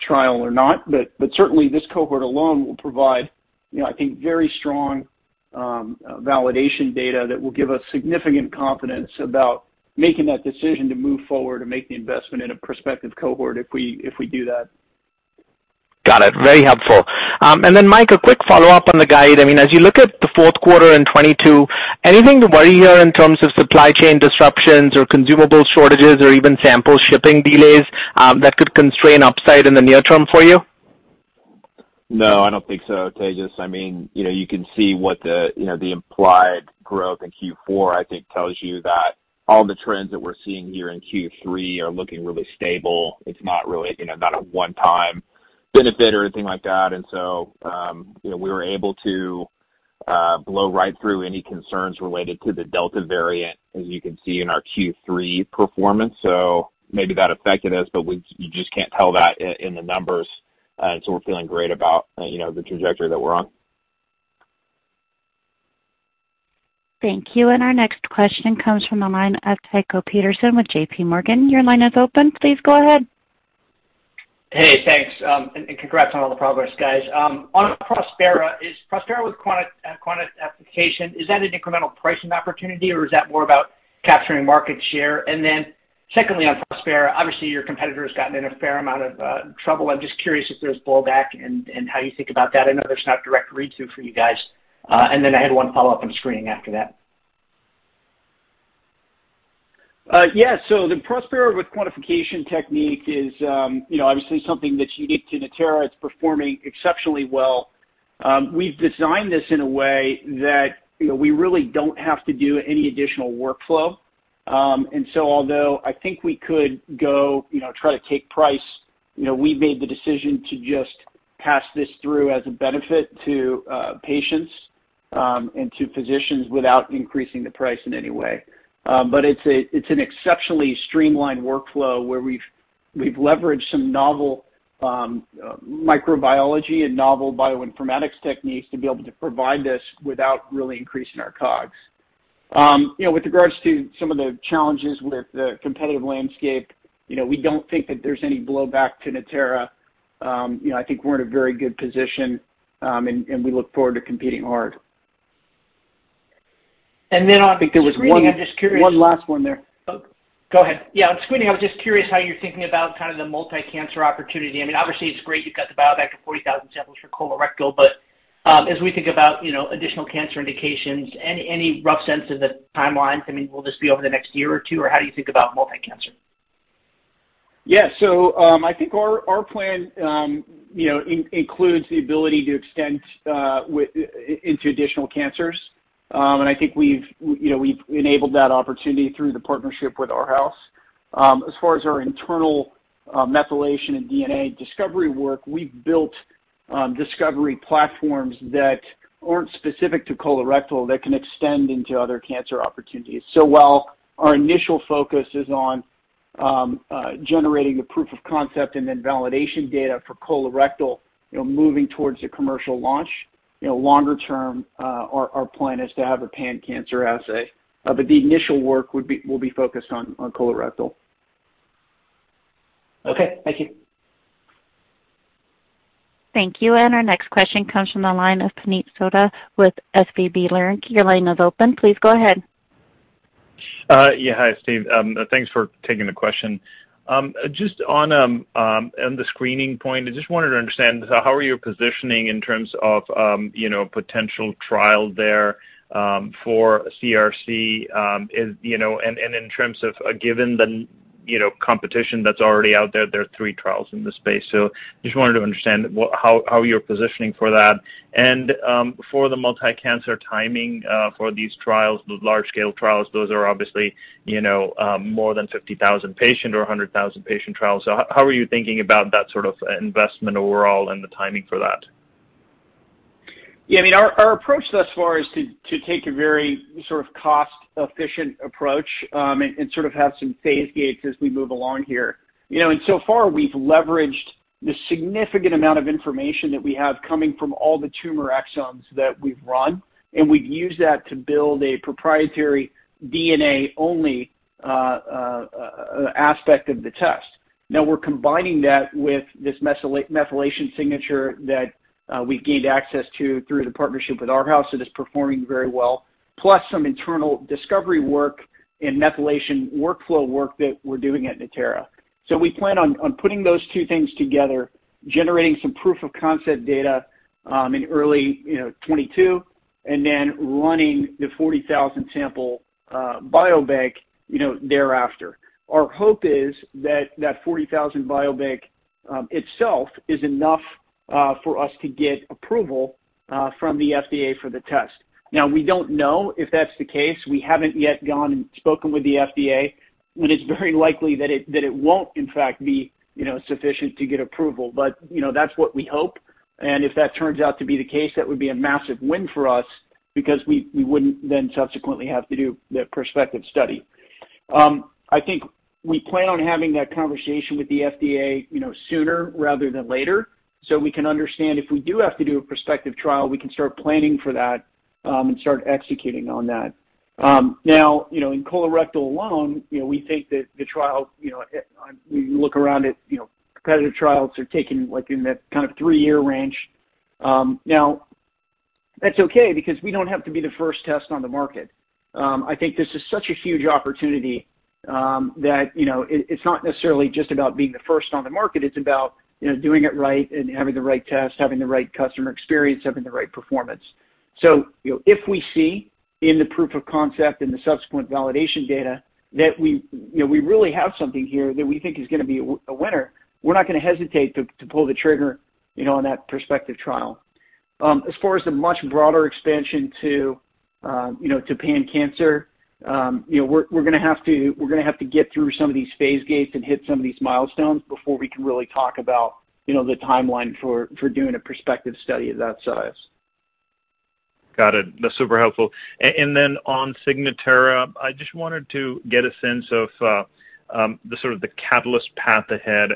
trial or not. Certainly this cohort alone will provide You know, I think very strong validation data that will give us significant confidence about making that decision to move forward to make the investment in a prospective cohort if we do that. Got it. Very helpful. Michael, a quick follow-up on the guide. I mean, as you look at the fourth quarter in 2022, anything to worry here in terms of supply chain disruptions or consumable shortages or even sample shipping delays that could constrain upside in the near term for you? No, I don't think so, Tejas. I mean, you know, you can see what the, you know, the implied growth in Q4, I think tells you that all the trends that we're seeing here in Q3 are looking really stable. It's not really, you know, not a one-time benefit or anything like that. You know, we were able to blow right through any concerns related to the Delta variant, as you can see in our Q3 performance. Maybe that affected us, but you just can't tell that in the numbers. We're feeling great about, you know, the trajectory that we're on. Thank you. Our next question comes from the line of Tycho Peterson with JP Morgan. Your line is open. Please go ahead. Hey, thanks. And congrats on all the progress, guys. On Prospera, is Prospera with quant application an incremental pricing opportunity, or is that more about capturing market share? Secondly, on Prospera, obviously, your competitor has gotten in a fair amount of trouble. I'm just curious if there's blowback and how you think about that. I know there's not direct read-through for you guys. I had one follow-up on screening after that. The Prospera with quantification technique is, you know, obviously something that's unique to Natera. It's performing exceptionally well. We've designed this in a way that, you know, we really don't have to do any additional workflow. Although I think we could go, you know, try to take price, you know, we made the decision to just pass this through as a benefit to patients and to physicians without increasing the price in any way. It's an exceptionally streamlined workflow where we've leveraged some novel microbiology and novel bioinformatics techniques to be able to provide this without really increasing our COGS. You know, with regards to some of the challenges with the competitive landscape, you know, we don't think that there's any blowback to Natera. You know, I think we're in a very good position, and we look forward to competing hard. And then on- I think there was one. Screening, I'm just curious. One last one there. Oh, go ahead. Yeah, on screening, I was just curious how you're thinking about kind of the multi-cancer opportunity. I mean, obviously it's great you've got the biobank of 40,000 samples for colorectal, but as we think about, you know, additional cancer indications, any rough sense of the timelines? I mean, will this be over the next year or two, or how do you think about multi-cancer? I think our plan, you know, includes the ability to extend into additional cancers. I think we've, you know, enabled that opportunity through the partnership with Aarhus. As far as our internal methylation and DNA discovery work, we've built discovery platforms that aren't specific to colorectal that can extend into other cancer opportunities. While our initial focus is on generating the proof of concept and then validation data for colorectal, you know, moving towards the commercial launch, you know, longer term, our plan is to have a pan-cancer assay. The initial work will be focused on colorectal. Okay. Thank you. Thank you. Our next question comes from the line of Puneet Souda with SVB Leerink. Your line is open. Please go ahead. Hi, Steve. Thanks for taking the question. Just on the screening point, I just wanted to understand how are you positioning in terms of, you know, potential trial there, for CRC, is, you know, and in terms of, given the, you know, competition that's already out there are three trials in this space. So just wanted to understand how you're positioning for that. For the multi-cancer timing, for these trials, the large scale trials, those are obviously, you know, more than 50,000 patient or 100,000 patient trials. So how are you thinking about that sort of investment overall and the timing for that? Yeah. I mean, our approach thus far is to take a very sort of cost-efficient approach, and sort of have some phase gates as we move along here. You know, so far, we've leveraged the significant amount of information that we have coming from all the tumor exomes that we've run, and we've used that to build a proprietary DNA-only aspect of the test. Now we're combining that with this methylation signature that we gained access to through the partnership with Aarhus that is performing very well, plus some internal discovery work and methylation workflow work that we're doing at Natera. We plan on putting those two things together, generating some proof of concept data in early 2022, and then running the 40,000-sample biobank thereafter. Our hope is that 40,000 biobank itself is enough for us to get approval from the FDA for the test. Now, we don't know if that's the case. We haven't yet gone and spoken with the FDA, and it's very likely that it won't in fact be, you know, sufficient to get approval. You know, that's what we hope. If that turns out to be the case, that would be a massive win for us because we wouldn't then subsequently have to do the prospective study. I think we plan on having that conversation with the FDA, you know, sooner rather than later, so we can understand if we do have to do a prospective trial, we can start planning for that, and start executing on that. Now, you know, in colorectal alone, you know, we think that the trial, you know, we look around at, you know, competitive trials are taking like in that kind of 3-year range. Now that's okay because we don't have to be the first test on the market. I think this is such a huge opportunity, that, you know, it's not necessarily just about being the first on the market, it's about, you know, doing it right and having the right test, having the right customer experience, having the right performance. You know, if we see in the proof of concept and the subsequent validation data that we, you know, really have something here that we think is gonna be a winner, we're not gonna hesitate to pull the trigger, you know, on that prospective trial. As far as the much broader expansion to, you know, pan-cancer, you know, we're gonna have to get through some of these phase gates and hit some of these milestones before we can really talk about, you know, the timeline for doing a prospective study of that size. Got it. That's super helpful. Then on Signatera, I just wanted to get a sense of the sort of catalyst path ahead,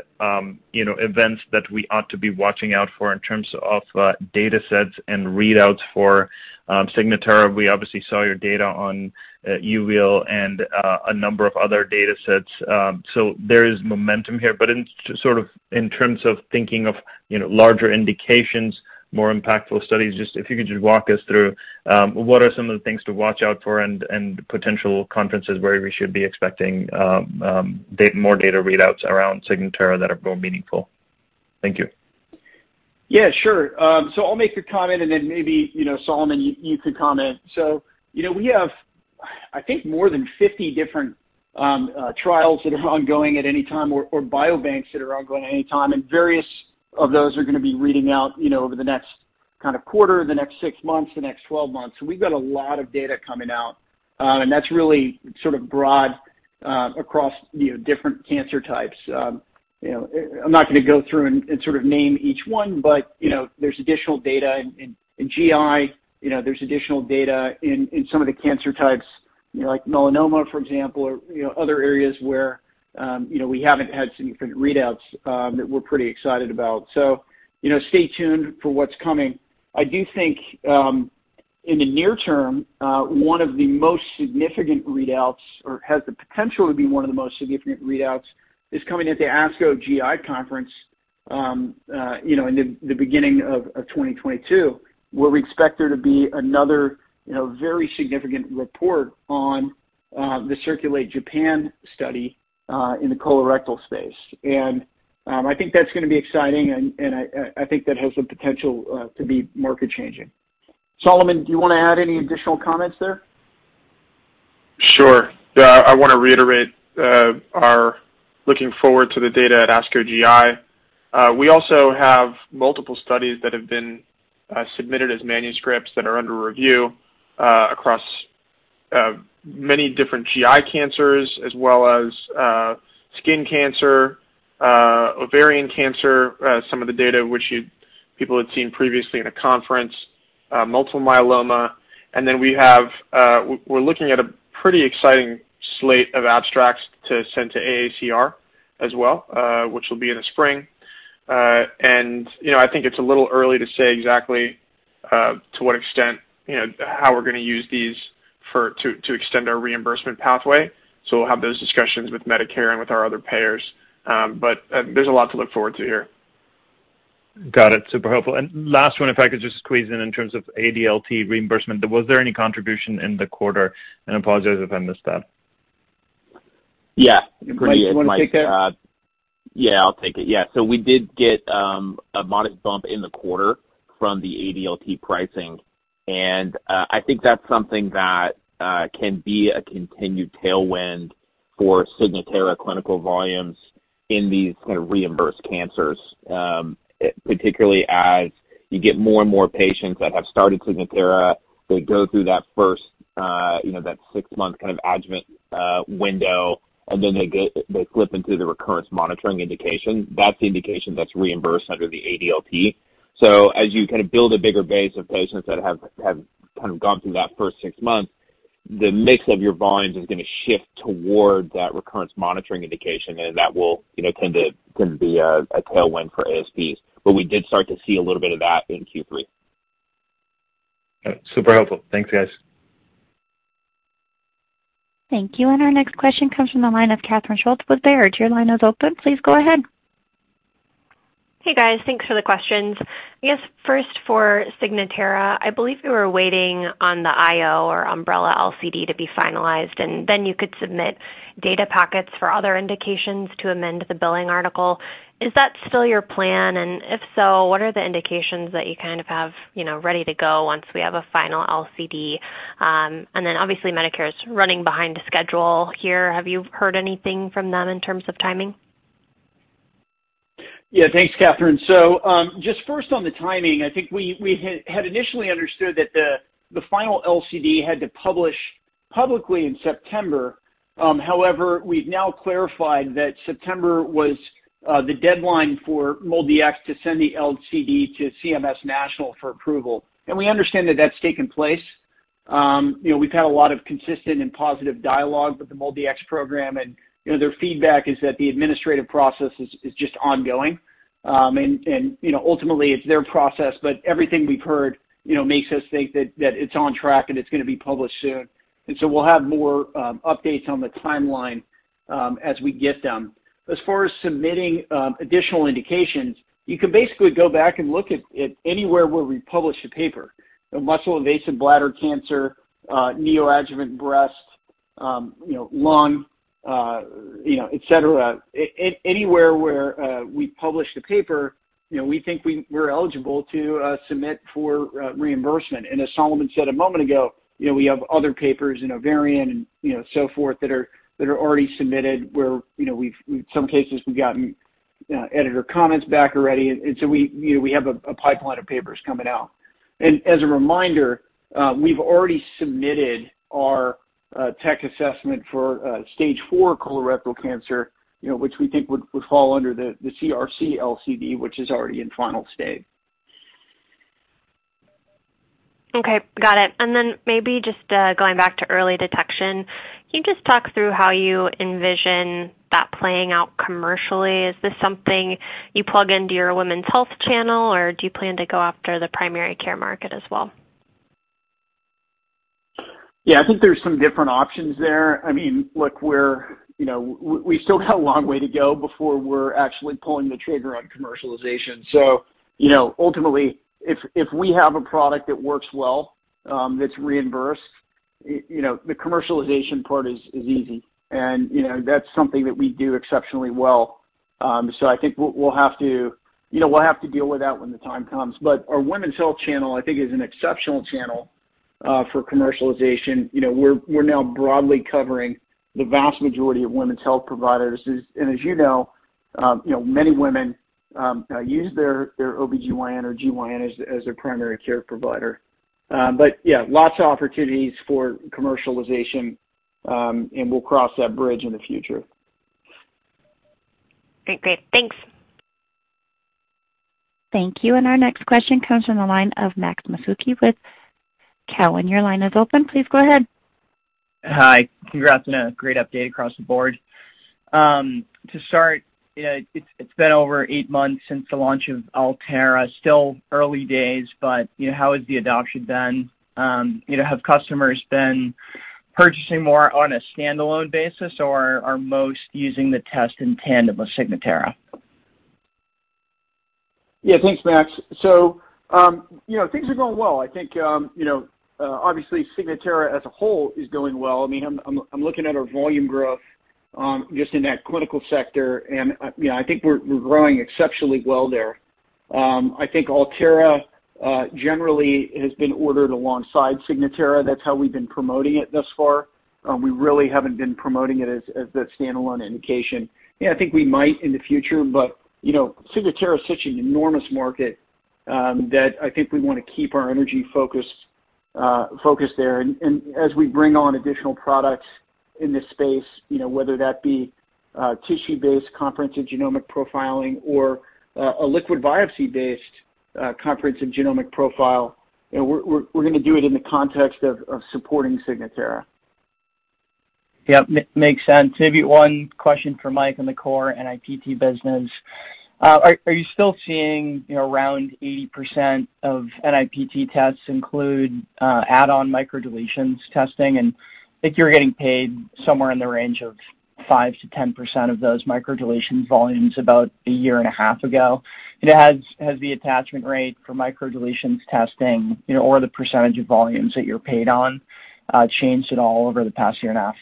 you know, events that we ought to be watching out for in terms of data sets and readouts for Signatera. We obviously saw your data on Uveal and a number of other data sets. So there is momentum here. In sort of in terms of thinking of, you know, larger indications, more impactful studies, just if you could just walk us through what are some of the things to watch out for and potential conferences where we should be expecting more data readouts around Signatera that are more meaningful? Thank you. Yeah, sure. I'll make a comment, and then maybe, you know, Solomon, you can comment. You know, we have, I think, more than 50 different trials that are ongoing at any time or biobanks that are ongoing at any time, and various of those are gonna be reading out, you know, over the next kind of quarter, the next 6 months, the next 12 months. We've got a lot of data coming out, and that's really sort of broad across, you know, different cancer types. You know, I'm not gonna go through and sort of name each one, but, you know, there's additional data in GI. You know, there's additional data in some of the cancer types, you know, like melanoma, for example, or, you know, other areas where you know, we haven't had significant readouts that we're pretty excited about. So, you know, stay tuned for what's coming. I do think in the near term one of the most significant readouts, or has the potential to be one of the most significant readouts, is coming at the ASCO GI conference you know, in the beginning of 2022, where we expect there to be another, you know, very significant report on the CIRCULATE-Japan study in the colorectal space. I think that's gonna be exciting and I think that has the potential to be market changing. Solomon, do you wanna add any additional comments there? Sure. Yeah, I wanna reiterate we're looking forward to the data at ASCO GI. We also have multiple studies that have been submitted as manuscripts that are under review across many different GI cancers as well as skin cancer, ovarian cancer, some of the data which people had seen previously in a conference, multiple myeloma. We're looking at a pretty exciting slate of abstracts to send to AACR as well, which will be in the spring. You know, I think it's a little early to say exactly to what extent, you know, how we're gonna use these to extend our reimbursement pathway. We'll have those discussions with Medicare and with our other payers. There's a lot to look forward to here. Got it. Super helpful. Last one, if I could just squeeze in in terms of ADLT reimbursement, was there any contribution in the quarter? Apologies if I missed that. Yeah. Michael, you wanna take that? Yeah, I'll take it. Yeah. We did get a modest bump in the quarter from the ADLT pricing. I think that's something that can be a continued tailwind for Signatera clinical volumes in these kind of reimbursed cancers, particularly as you get more and more patients that have started Signatera, they go through that first, you know, that six-month kind of adjuvant window, and then they flip into the recurrence monitoring indication. That's the indication that's reimbursed under the ADLT. As you kind of build a bigger base of patients that have gone through that first six months, the mix of your volumes is gonna shift toward that recurrence monitoring indication, and that will, you know, tend to be a tailwind for ASPs. We did start to see a little bit of that in Q3. Got it. Super helpful. Thanks, guys. Thank you. Our next question comes from the line of Catherine Schulte with Baird. Your line is open. Please go ahead. Hey, guys. Thanks for the questions. I guess first for Signatera, I believe you were waiting on the IO or umbrella LCD to be finalized, and then you could submit data packets for other indications to amend the billing article. Is that still your plan? And if so, what are the indications that you kind of have, you know, ready to go once we have a final LCD? Obviously, Medicare is running behind the schedule here. Have you heard anything from them in terms of timing? Yeah. Thanks, Catherine. Just first on the timing, I think we had initially understood that the final LCD had to publish publicly in September. However, we've now clarified that September was the deadline for MolDX to send the LCD to CMS National for approval. We understand that that's taken place. You know, we've had a lot of consistent and positive dialogue with the MolDX program, and you know, their feedback is that the administrative process is just ongoing. You know, ultimately it's their process, but everything we've heard you know makes us think that it's on track and it's gonna be published soon. We'll have more updates on the timeline as we get them. As far as submitting additional indications, you can basically go back and look at anywhere where we publish a paper. Muscle-invasive bladder cancer, neoadjuvant breast, you know, lung, et cetera. Anywhere where we publish the paper, you know, we think we're eligible to submit for reimbursement. As Solomon said a moment ago, you know, we have other papers in ovarian and, you know, so forth that are already submitted where, you know, we've in some cases gotten editor comments back already. We, you know, we have a pipeline of papers coming out. As a reminder, we've already submitted our tech assessment for stage IV colorectal cancer, you know, which we think would fall under the CRC LCD, which is already in final stage. Okay. Got it. Maybe just going back to early detection, can you just talk through how you envision that playing out commercially? Is this something you plug into your women's health channel, or do you plan to go after the primary care market as well? Yeah. I think there's some different options there. I mean, look, we're, you know, we've still got a long way to go before we're actually pulling the trigger on commercialization. You know, ultimately if we have a product that works well, that's reimbursed, you know, the commercialization part is easy. You know, that's something that we do exceptionally well. I think we'll have to deal with that when the time comes. Our women's health channel, I think, is an exceptional channel for commercialization. You know, we're now broadly covering the vast majority of women's health providers. As you know, you know, many women use their OBGYN or GYN as their primary care provider. Yeah, lots of opportunities for commercialization, and we'll cross that bridge in the future. Great. Thanks. Thank you. Our next question comes from the line of Max Masucci with Cowen. Your line is open. Please go ahead. Hi. Congrats on a great update across the board. To start, you know, it's been over eight months since the launch of Altera, still early days, but, you know, how has the adoption been? You know, have customers been purchasing more on a standalone basis, or are most using the test in tandem with Signatera? Yeah. Thanks, Max. You know, things are going well. I think, you know, obviously Signatera as a whole is going well. I mean, I'm looking at our volume growth, just in that clinical sector. You know, I think we're growing exceptionally well there. I think Altera generally has been ordered alongside Signatera. That's how we've been promoting it thus far. We really haven't been promoting it as the standalone indication. Yeah, I think we might in the future, but, you know, Signatera is such an enormous market, that I think we wanna keep our energy focused there. As we bring on additional products in this space, you know, whether that be tissue-based comprehensive genomic profiling or a liquid biopsy-based comprehensive genomic profile, you know, we're gonna do it in the context of supporting Signatera. Yeah. Makes sense. Maybe one question for Michael on the core NIPT business. Are you still seeing, you know, around 80% of NIPT tests include add-on microdeletions testing? I think you were getting paid somewhere in the range of 5%-10% of those microdeletion volumes about a year and a half ago. Has the attachment rate for microdeletions testing, you know, or the percentage of volumes that you're paid on changed at all over the past year and a half?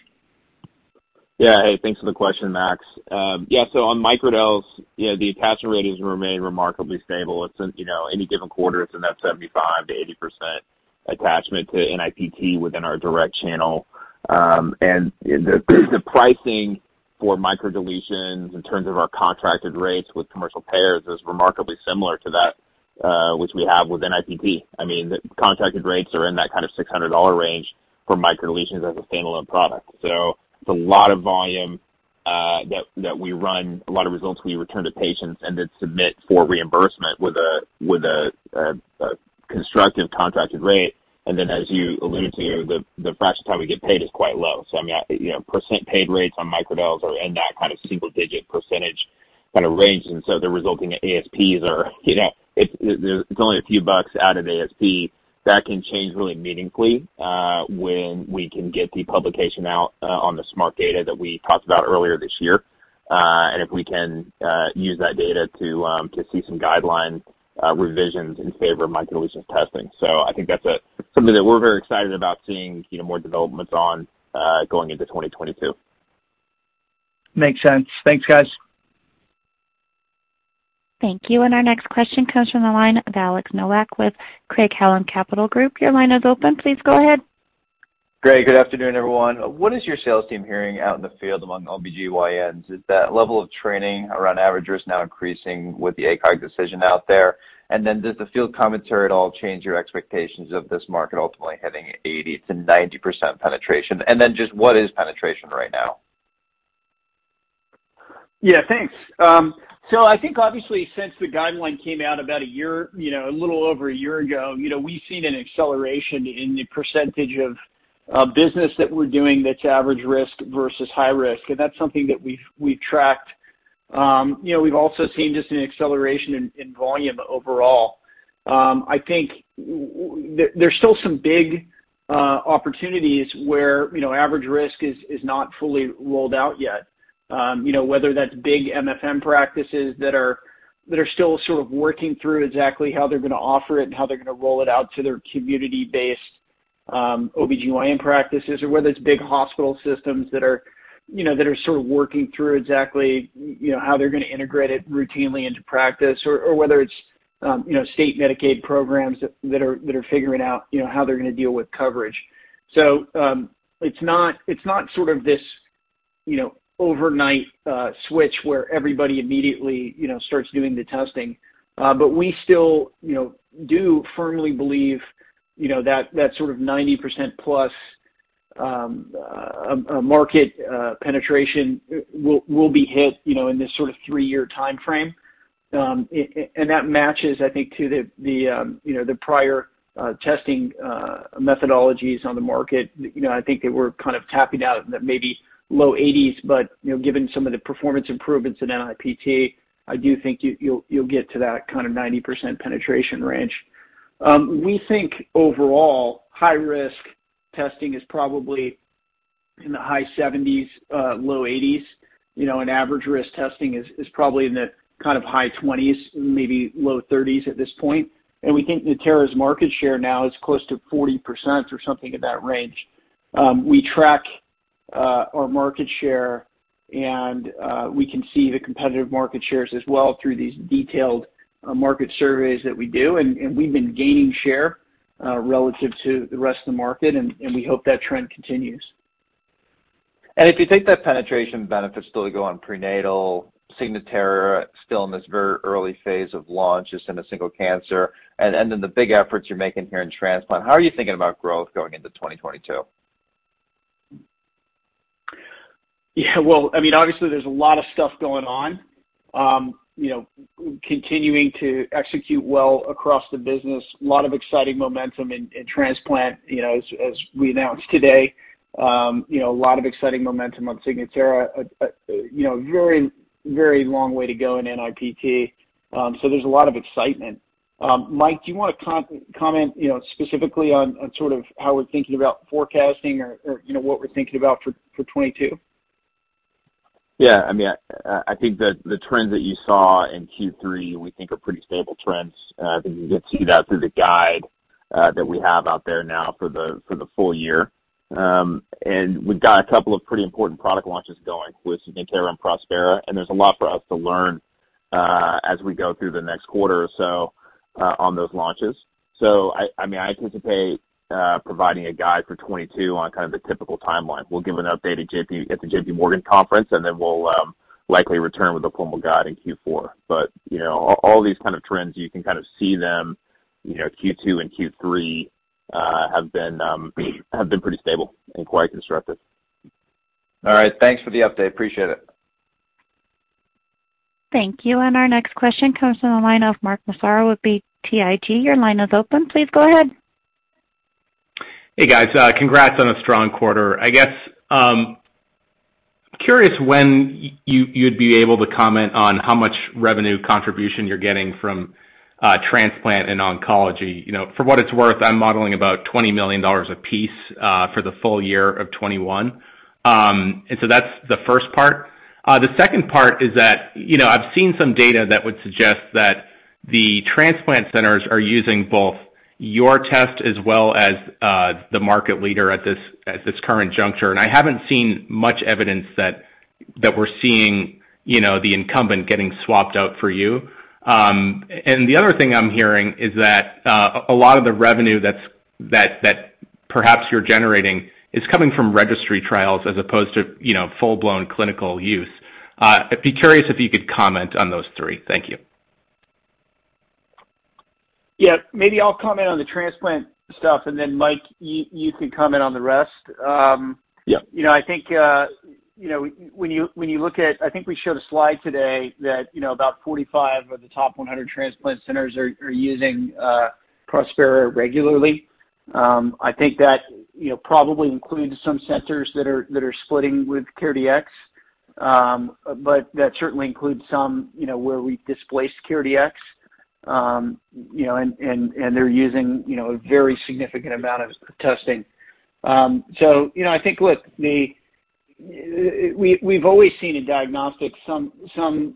Yeah. Hey, thanks for the question, Max. Yeah, so on microdeletions, you know, the attachment rate has remained remarkably stable. It's in, you know, any given quarter, it's in that seven5%-80% attachment to NIPT within our direct channel. And the pricing for microdeletions in terms of our contracted rates with commercial payers is remarkably similar to that, which we have with NIPT. I mean, the contracted rates are in that kind of $600 range for microdeletions as a standalone product. So it's a lot of volume that we run, a lot of results we return to patients and then submit for reimbursement with a constructive contracted rate. Then as you alluded to, the fraction of time we get paid is quite low. I mean, you know, percent paid rates on microdels are in that kind of single digit percentage kind of range, and so the resulting ASPs are, you know, it's only a few bucks out of ASP. That can change really meaningfully, when we can get the publication out, on the SMART data that we talked about earlier this year. And if we can use that data to see some guideline revisions in favor of microdeletion testing. I think that's something that we're very excited about seeing, you know, more developments on, going into 2022. Makes sense. Thanks, guys. Thank you. Our next question comes from the line of Alex Nowak with Craig-Hallum Capital Group. Your line is open. Please go ahead. Great. Good afternoon, everyone. What is your sales team hearing out in the field among OBGYNs? Is that level of training around averages now increasing with the ACOG decision out there? Does the field commentary at all change your expectations of this market ultimately hitting 80%-90% penetration? Just what is penetration right now? Yeah, thanks. I think obviously since the guideline came out about a year, you know, a little over a year ago, you know, we've seen an acceleration in the percentage of a business that we're doing that's average risk versus high risk, and that's something that we've tracked. You know, we've also seen just an acceleration in volume overall. I think there's still some big opportunities where, you know, average risk is not fully rolled out yet, you know, whether that's big MFM practices that are still sort of working through exactly how they're gonna offer it and how they're gonna roll it out to their community-based OBGYN practices, or whether it's big hospital systems that are, you know, sort of working through exactly, you know, how they're gonna integrate it routinely into practice or whether it's, you know, state Medicaid programs that are figuring out, you know, how they're gonna deal with coverage. It's not sort of this, you know, overnight switch where everybody immediately, you know, starts doing the testing. But we still, you know, do firmly believe, you know, that that sort of nine0% plus market penetration will be hit, you know, in this sort of three-year timeframe. And that matches, I think, to the prior testing methodologies on the market. You know, I think they were kind of tapping out in the maybe low 80s, but, you know, given some of the performance improvements in NIPT, I do think you'll get to that kind of nine0% penetration range. We think overall, high-risk testing is probably in the high seven0s-low 80s, you know, and average risk testing is probably in the kind of high 20s, maybe low 30s at this point. We think Natera's market share now is close to 40% or something in that range. We track our market share, and we can see the competitive market shares as well through these detailed market surveys that we do. We've been gaining share relative to the rest of the market, and we hope that trend continues. If you take that penetration benefit still to go on prenatal, Signatera still in this very early phase of launch, it's in a single cancer, and then the big efforts you're making here in transplant, how are you thinking about growth going into 2022? Yeah. Well, I mean, obviously there's a lot of stuff going on. You know, continuing to execute well across the business. A lot of exciting momentum in transplant, you know, as we announced today. You know, a lot of exciting momentum on Signatera. You know, very long way to go in NIPT. So there's a lot of excitement. Michael, do you wanna comment, you know, specifically on sort of how we're thinking about forecasting or, you know, what we're thinking about for 2022? Yeah. I mean, I think that the trends that you saw in Q3, we think are pretty stable trends. I think you can see that through the guide that we have out there now for the full year. We've got a couple of pretty important product launches going with Natera and Prospera, and there's a lot for us to learn as we go through the next quarter or so on those launches. I mean, I anticipate providing a guide for 2022 on kind of the typical timeline. We'll give an update at the JP Morgan conference, and then we'll likely return with a formal guide in Q4. You know, all these kind of trends, you can kind of see them, you know, Q2 and Q3 have been pretty stable and quite constructive. All right. Thanks for the update. Appreciate it. Thank you. Our next question comes from the line of Mark Massaro with BTIG. Your line is open. Please go ahead. Hey, guys. Congrats on a strong quarter. I'm curious when you'd be able to comment on how much revenue contribution you're getting from transplant and oncology. You know, for what it's worth, I'm modeling about $20 million a piece for the full year of 2021. That's the first part. The second part is that, you know, I've seen some data that would suggest that the transplant centers are using both your test as well as the market leader at this current juncture. I haven't seen much evidence that we're seeing, you know, the incumbent getting swapped out for you. The other thing I'm hearing is that a lot of the revenue that perhaps you're generating is coming from registry trials as opposed to, you know, full-blown clinical use. I'd be curious if you could comment on those three. Thank you. Yeah. Maybe I'll comment on the transplant stuff, and then Michael, you can comment on the rest. Yeah. You know, I think, you know, when you look at, I think we showed a slide today that, you know, about 45 of the top 100 transplant centers are using Prospera regularly. I think that, you know, probably includes some centers that are splitting with CareDx. But that certainly includes some, you know, where we've displaced CareDx, you know, and they're using, you know, a very significant amount of testing. You know, I think, look, we've always seen in diagnostics some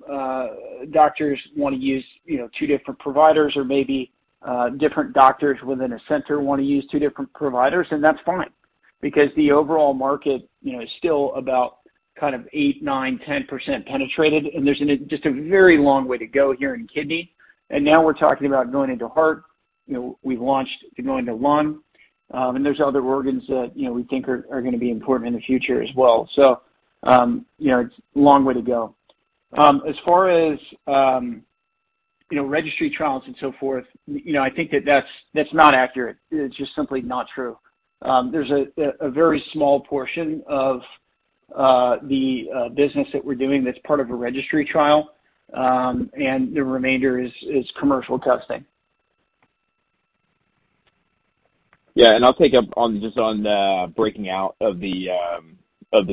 doctors wanna use, you know, two different providers or maybe different doctors within a center wanna use two different providers, and that's fine because the overall market, you know, is still about kind of 8, nine, 10% penetrated, and there's just a very long way to go here in kidney. Now we're talking about going into heart, you know, we've launched, too, going to lung, and there's other organs that, you know, we think are gonna be important in the future as well. You know, it's a long way to go. As far as, you know, registry trials and so forth, you know, I think that that's not accurate. It's just simply not true. There's a very small portion of the business that we're doing that's part of a registry trial, and the remainder is commercial testing. Yeah. I'll pick up on just the breaking out of the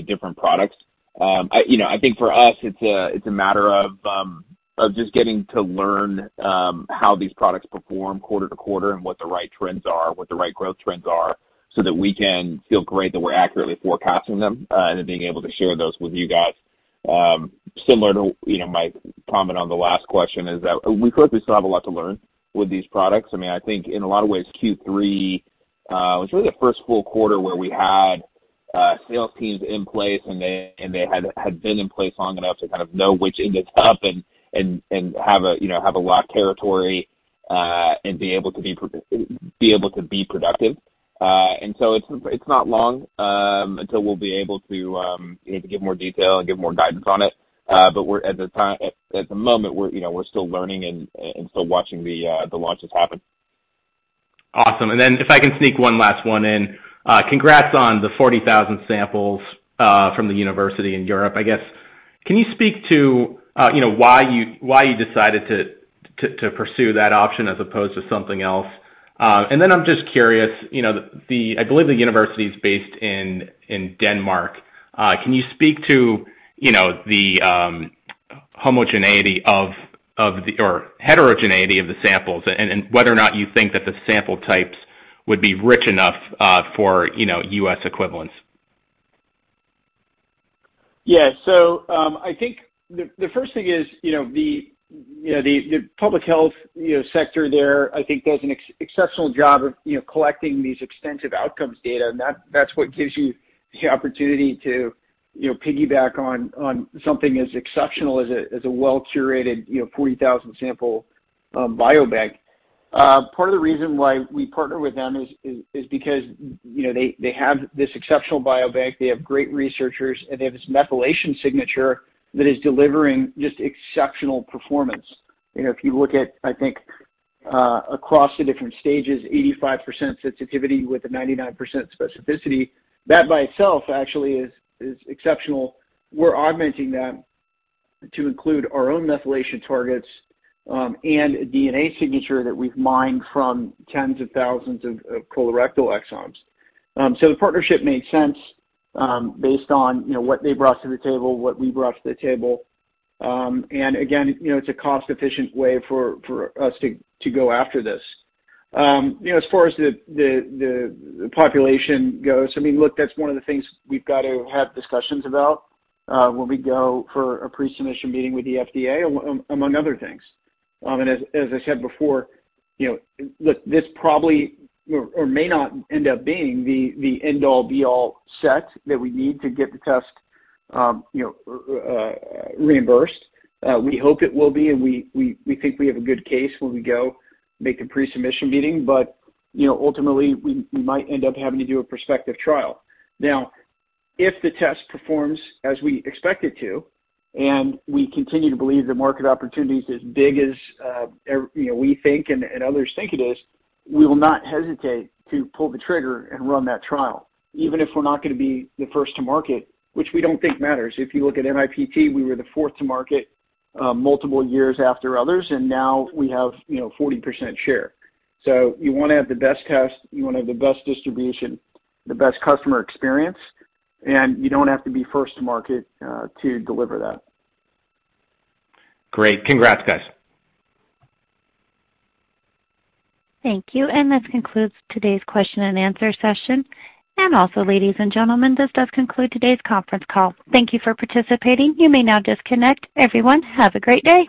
different products. I think for us it's a matter of just getting to learn how these products perform quarter to quarter and what the right trends are, what the right growth trends are, so that we can feel great that we're accurately forecasting them and then being able to share those with you guys. Similar to my comment on the last question, we currently still have a lot to learn with these products. I mean, I think in a lot of ways, Q3 was really the first full quarter where we had sales teams in place, and they had been in place long enough to kind of know which end is up and have a, you know, have a locked territory, and be able to be productive. It's not long until we'll be able to, you know, to give more detail and give more guidance on it. We're at the moment, you know, still learning and still watching the launches happen. Awesome. If I can sneak one last one in. Congrats on the 40,000 samples from the university in Europe. I guess can you speak to you know why you decided to pursue that option as opposed to something else? I'm just curious you know. I believe the university is based in Denmark. Can you speak to you know the homogeneity of or heterogeneity of the samples and whether or not you think that the sample types would be rich enough for U.S. equivalents? Yeah. I think the first thing is, you know, the public health sector there, I think does an exceptional job of, you know, collecting these extensive outcomes data. That's what gives you the opportunity to, you know, piggyback on something as exceptional as a well-curated, you know, 40,000 sample biobank. Part of the reason why we partner with them is because, you know, they have this exceptional biobank, they have great researchers, and they have this methylation signature that is delivering just exceptional performance. You know, if you look at, I think, across the different stages, 85% sensitivity with a nine9% specificity. That by itself actually is exceptional. We're augmenting that to include our own methylation targets, and a DNA signature that we've mined from tens of thousands of colorectal exomes. The partnership made sense, based on, you know, what they brought to the table, what we brought to the table. Again, you know, it's a cost-efficient way for us to go after this. You know, as far as the population goes, I mean, look, that's one of the things we've got to have discussions about, when we go for a pre-submission meeting with the FDA, among other things. As I said before, you know, look, this probably or may not end up being the end all be all set that we need to get the test, you know, reimbursed. We hope it will be, and we think we have a good case when we go make the pre-submission meeting. You know, ultimately, we might end up having to do a prospective trial. Now, if the test performs as we expect it to, and we continue to believe the market opportunity is as big as ever, you know, we think and others think it is, we will not hesitate to pull the trigger and run that trial, even if we're not gonna be the first to market, which we don't think matters. If you look at NIPT, we were the fourth to market, multiple years after others, and now we have, you know, 40% share. You wanna have the best test, you wanna have the best distribution, the best customer experience, and you don't have to be first to market, to deliver that. Great. Congrats, guys. Thank you. This concludes today's question and answer session. Also, ladies and gentlemen, this does conclude today's conference call. Thank you for participating. You may now disconnect. Everyone, have a great day.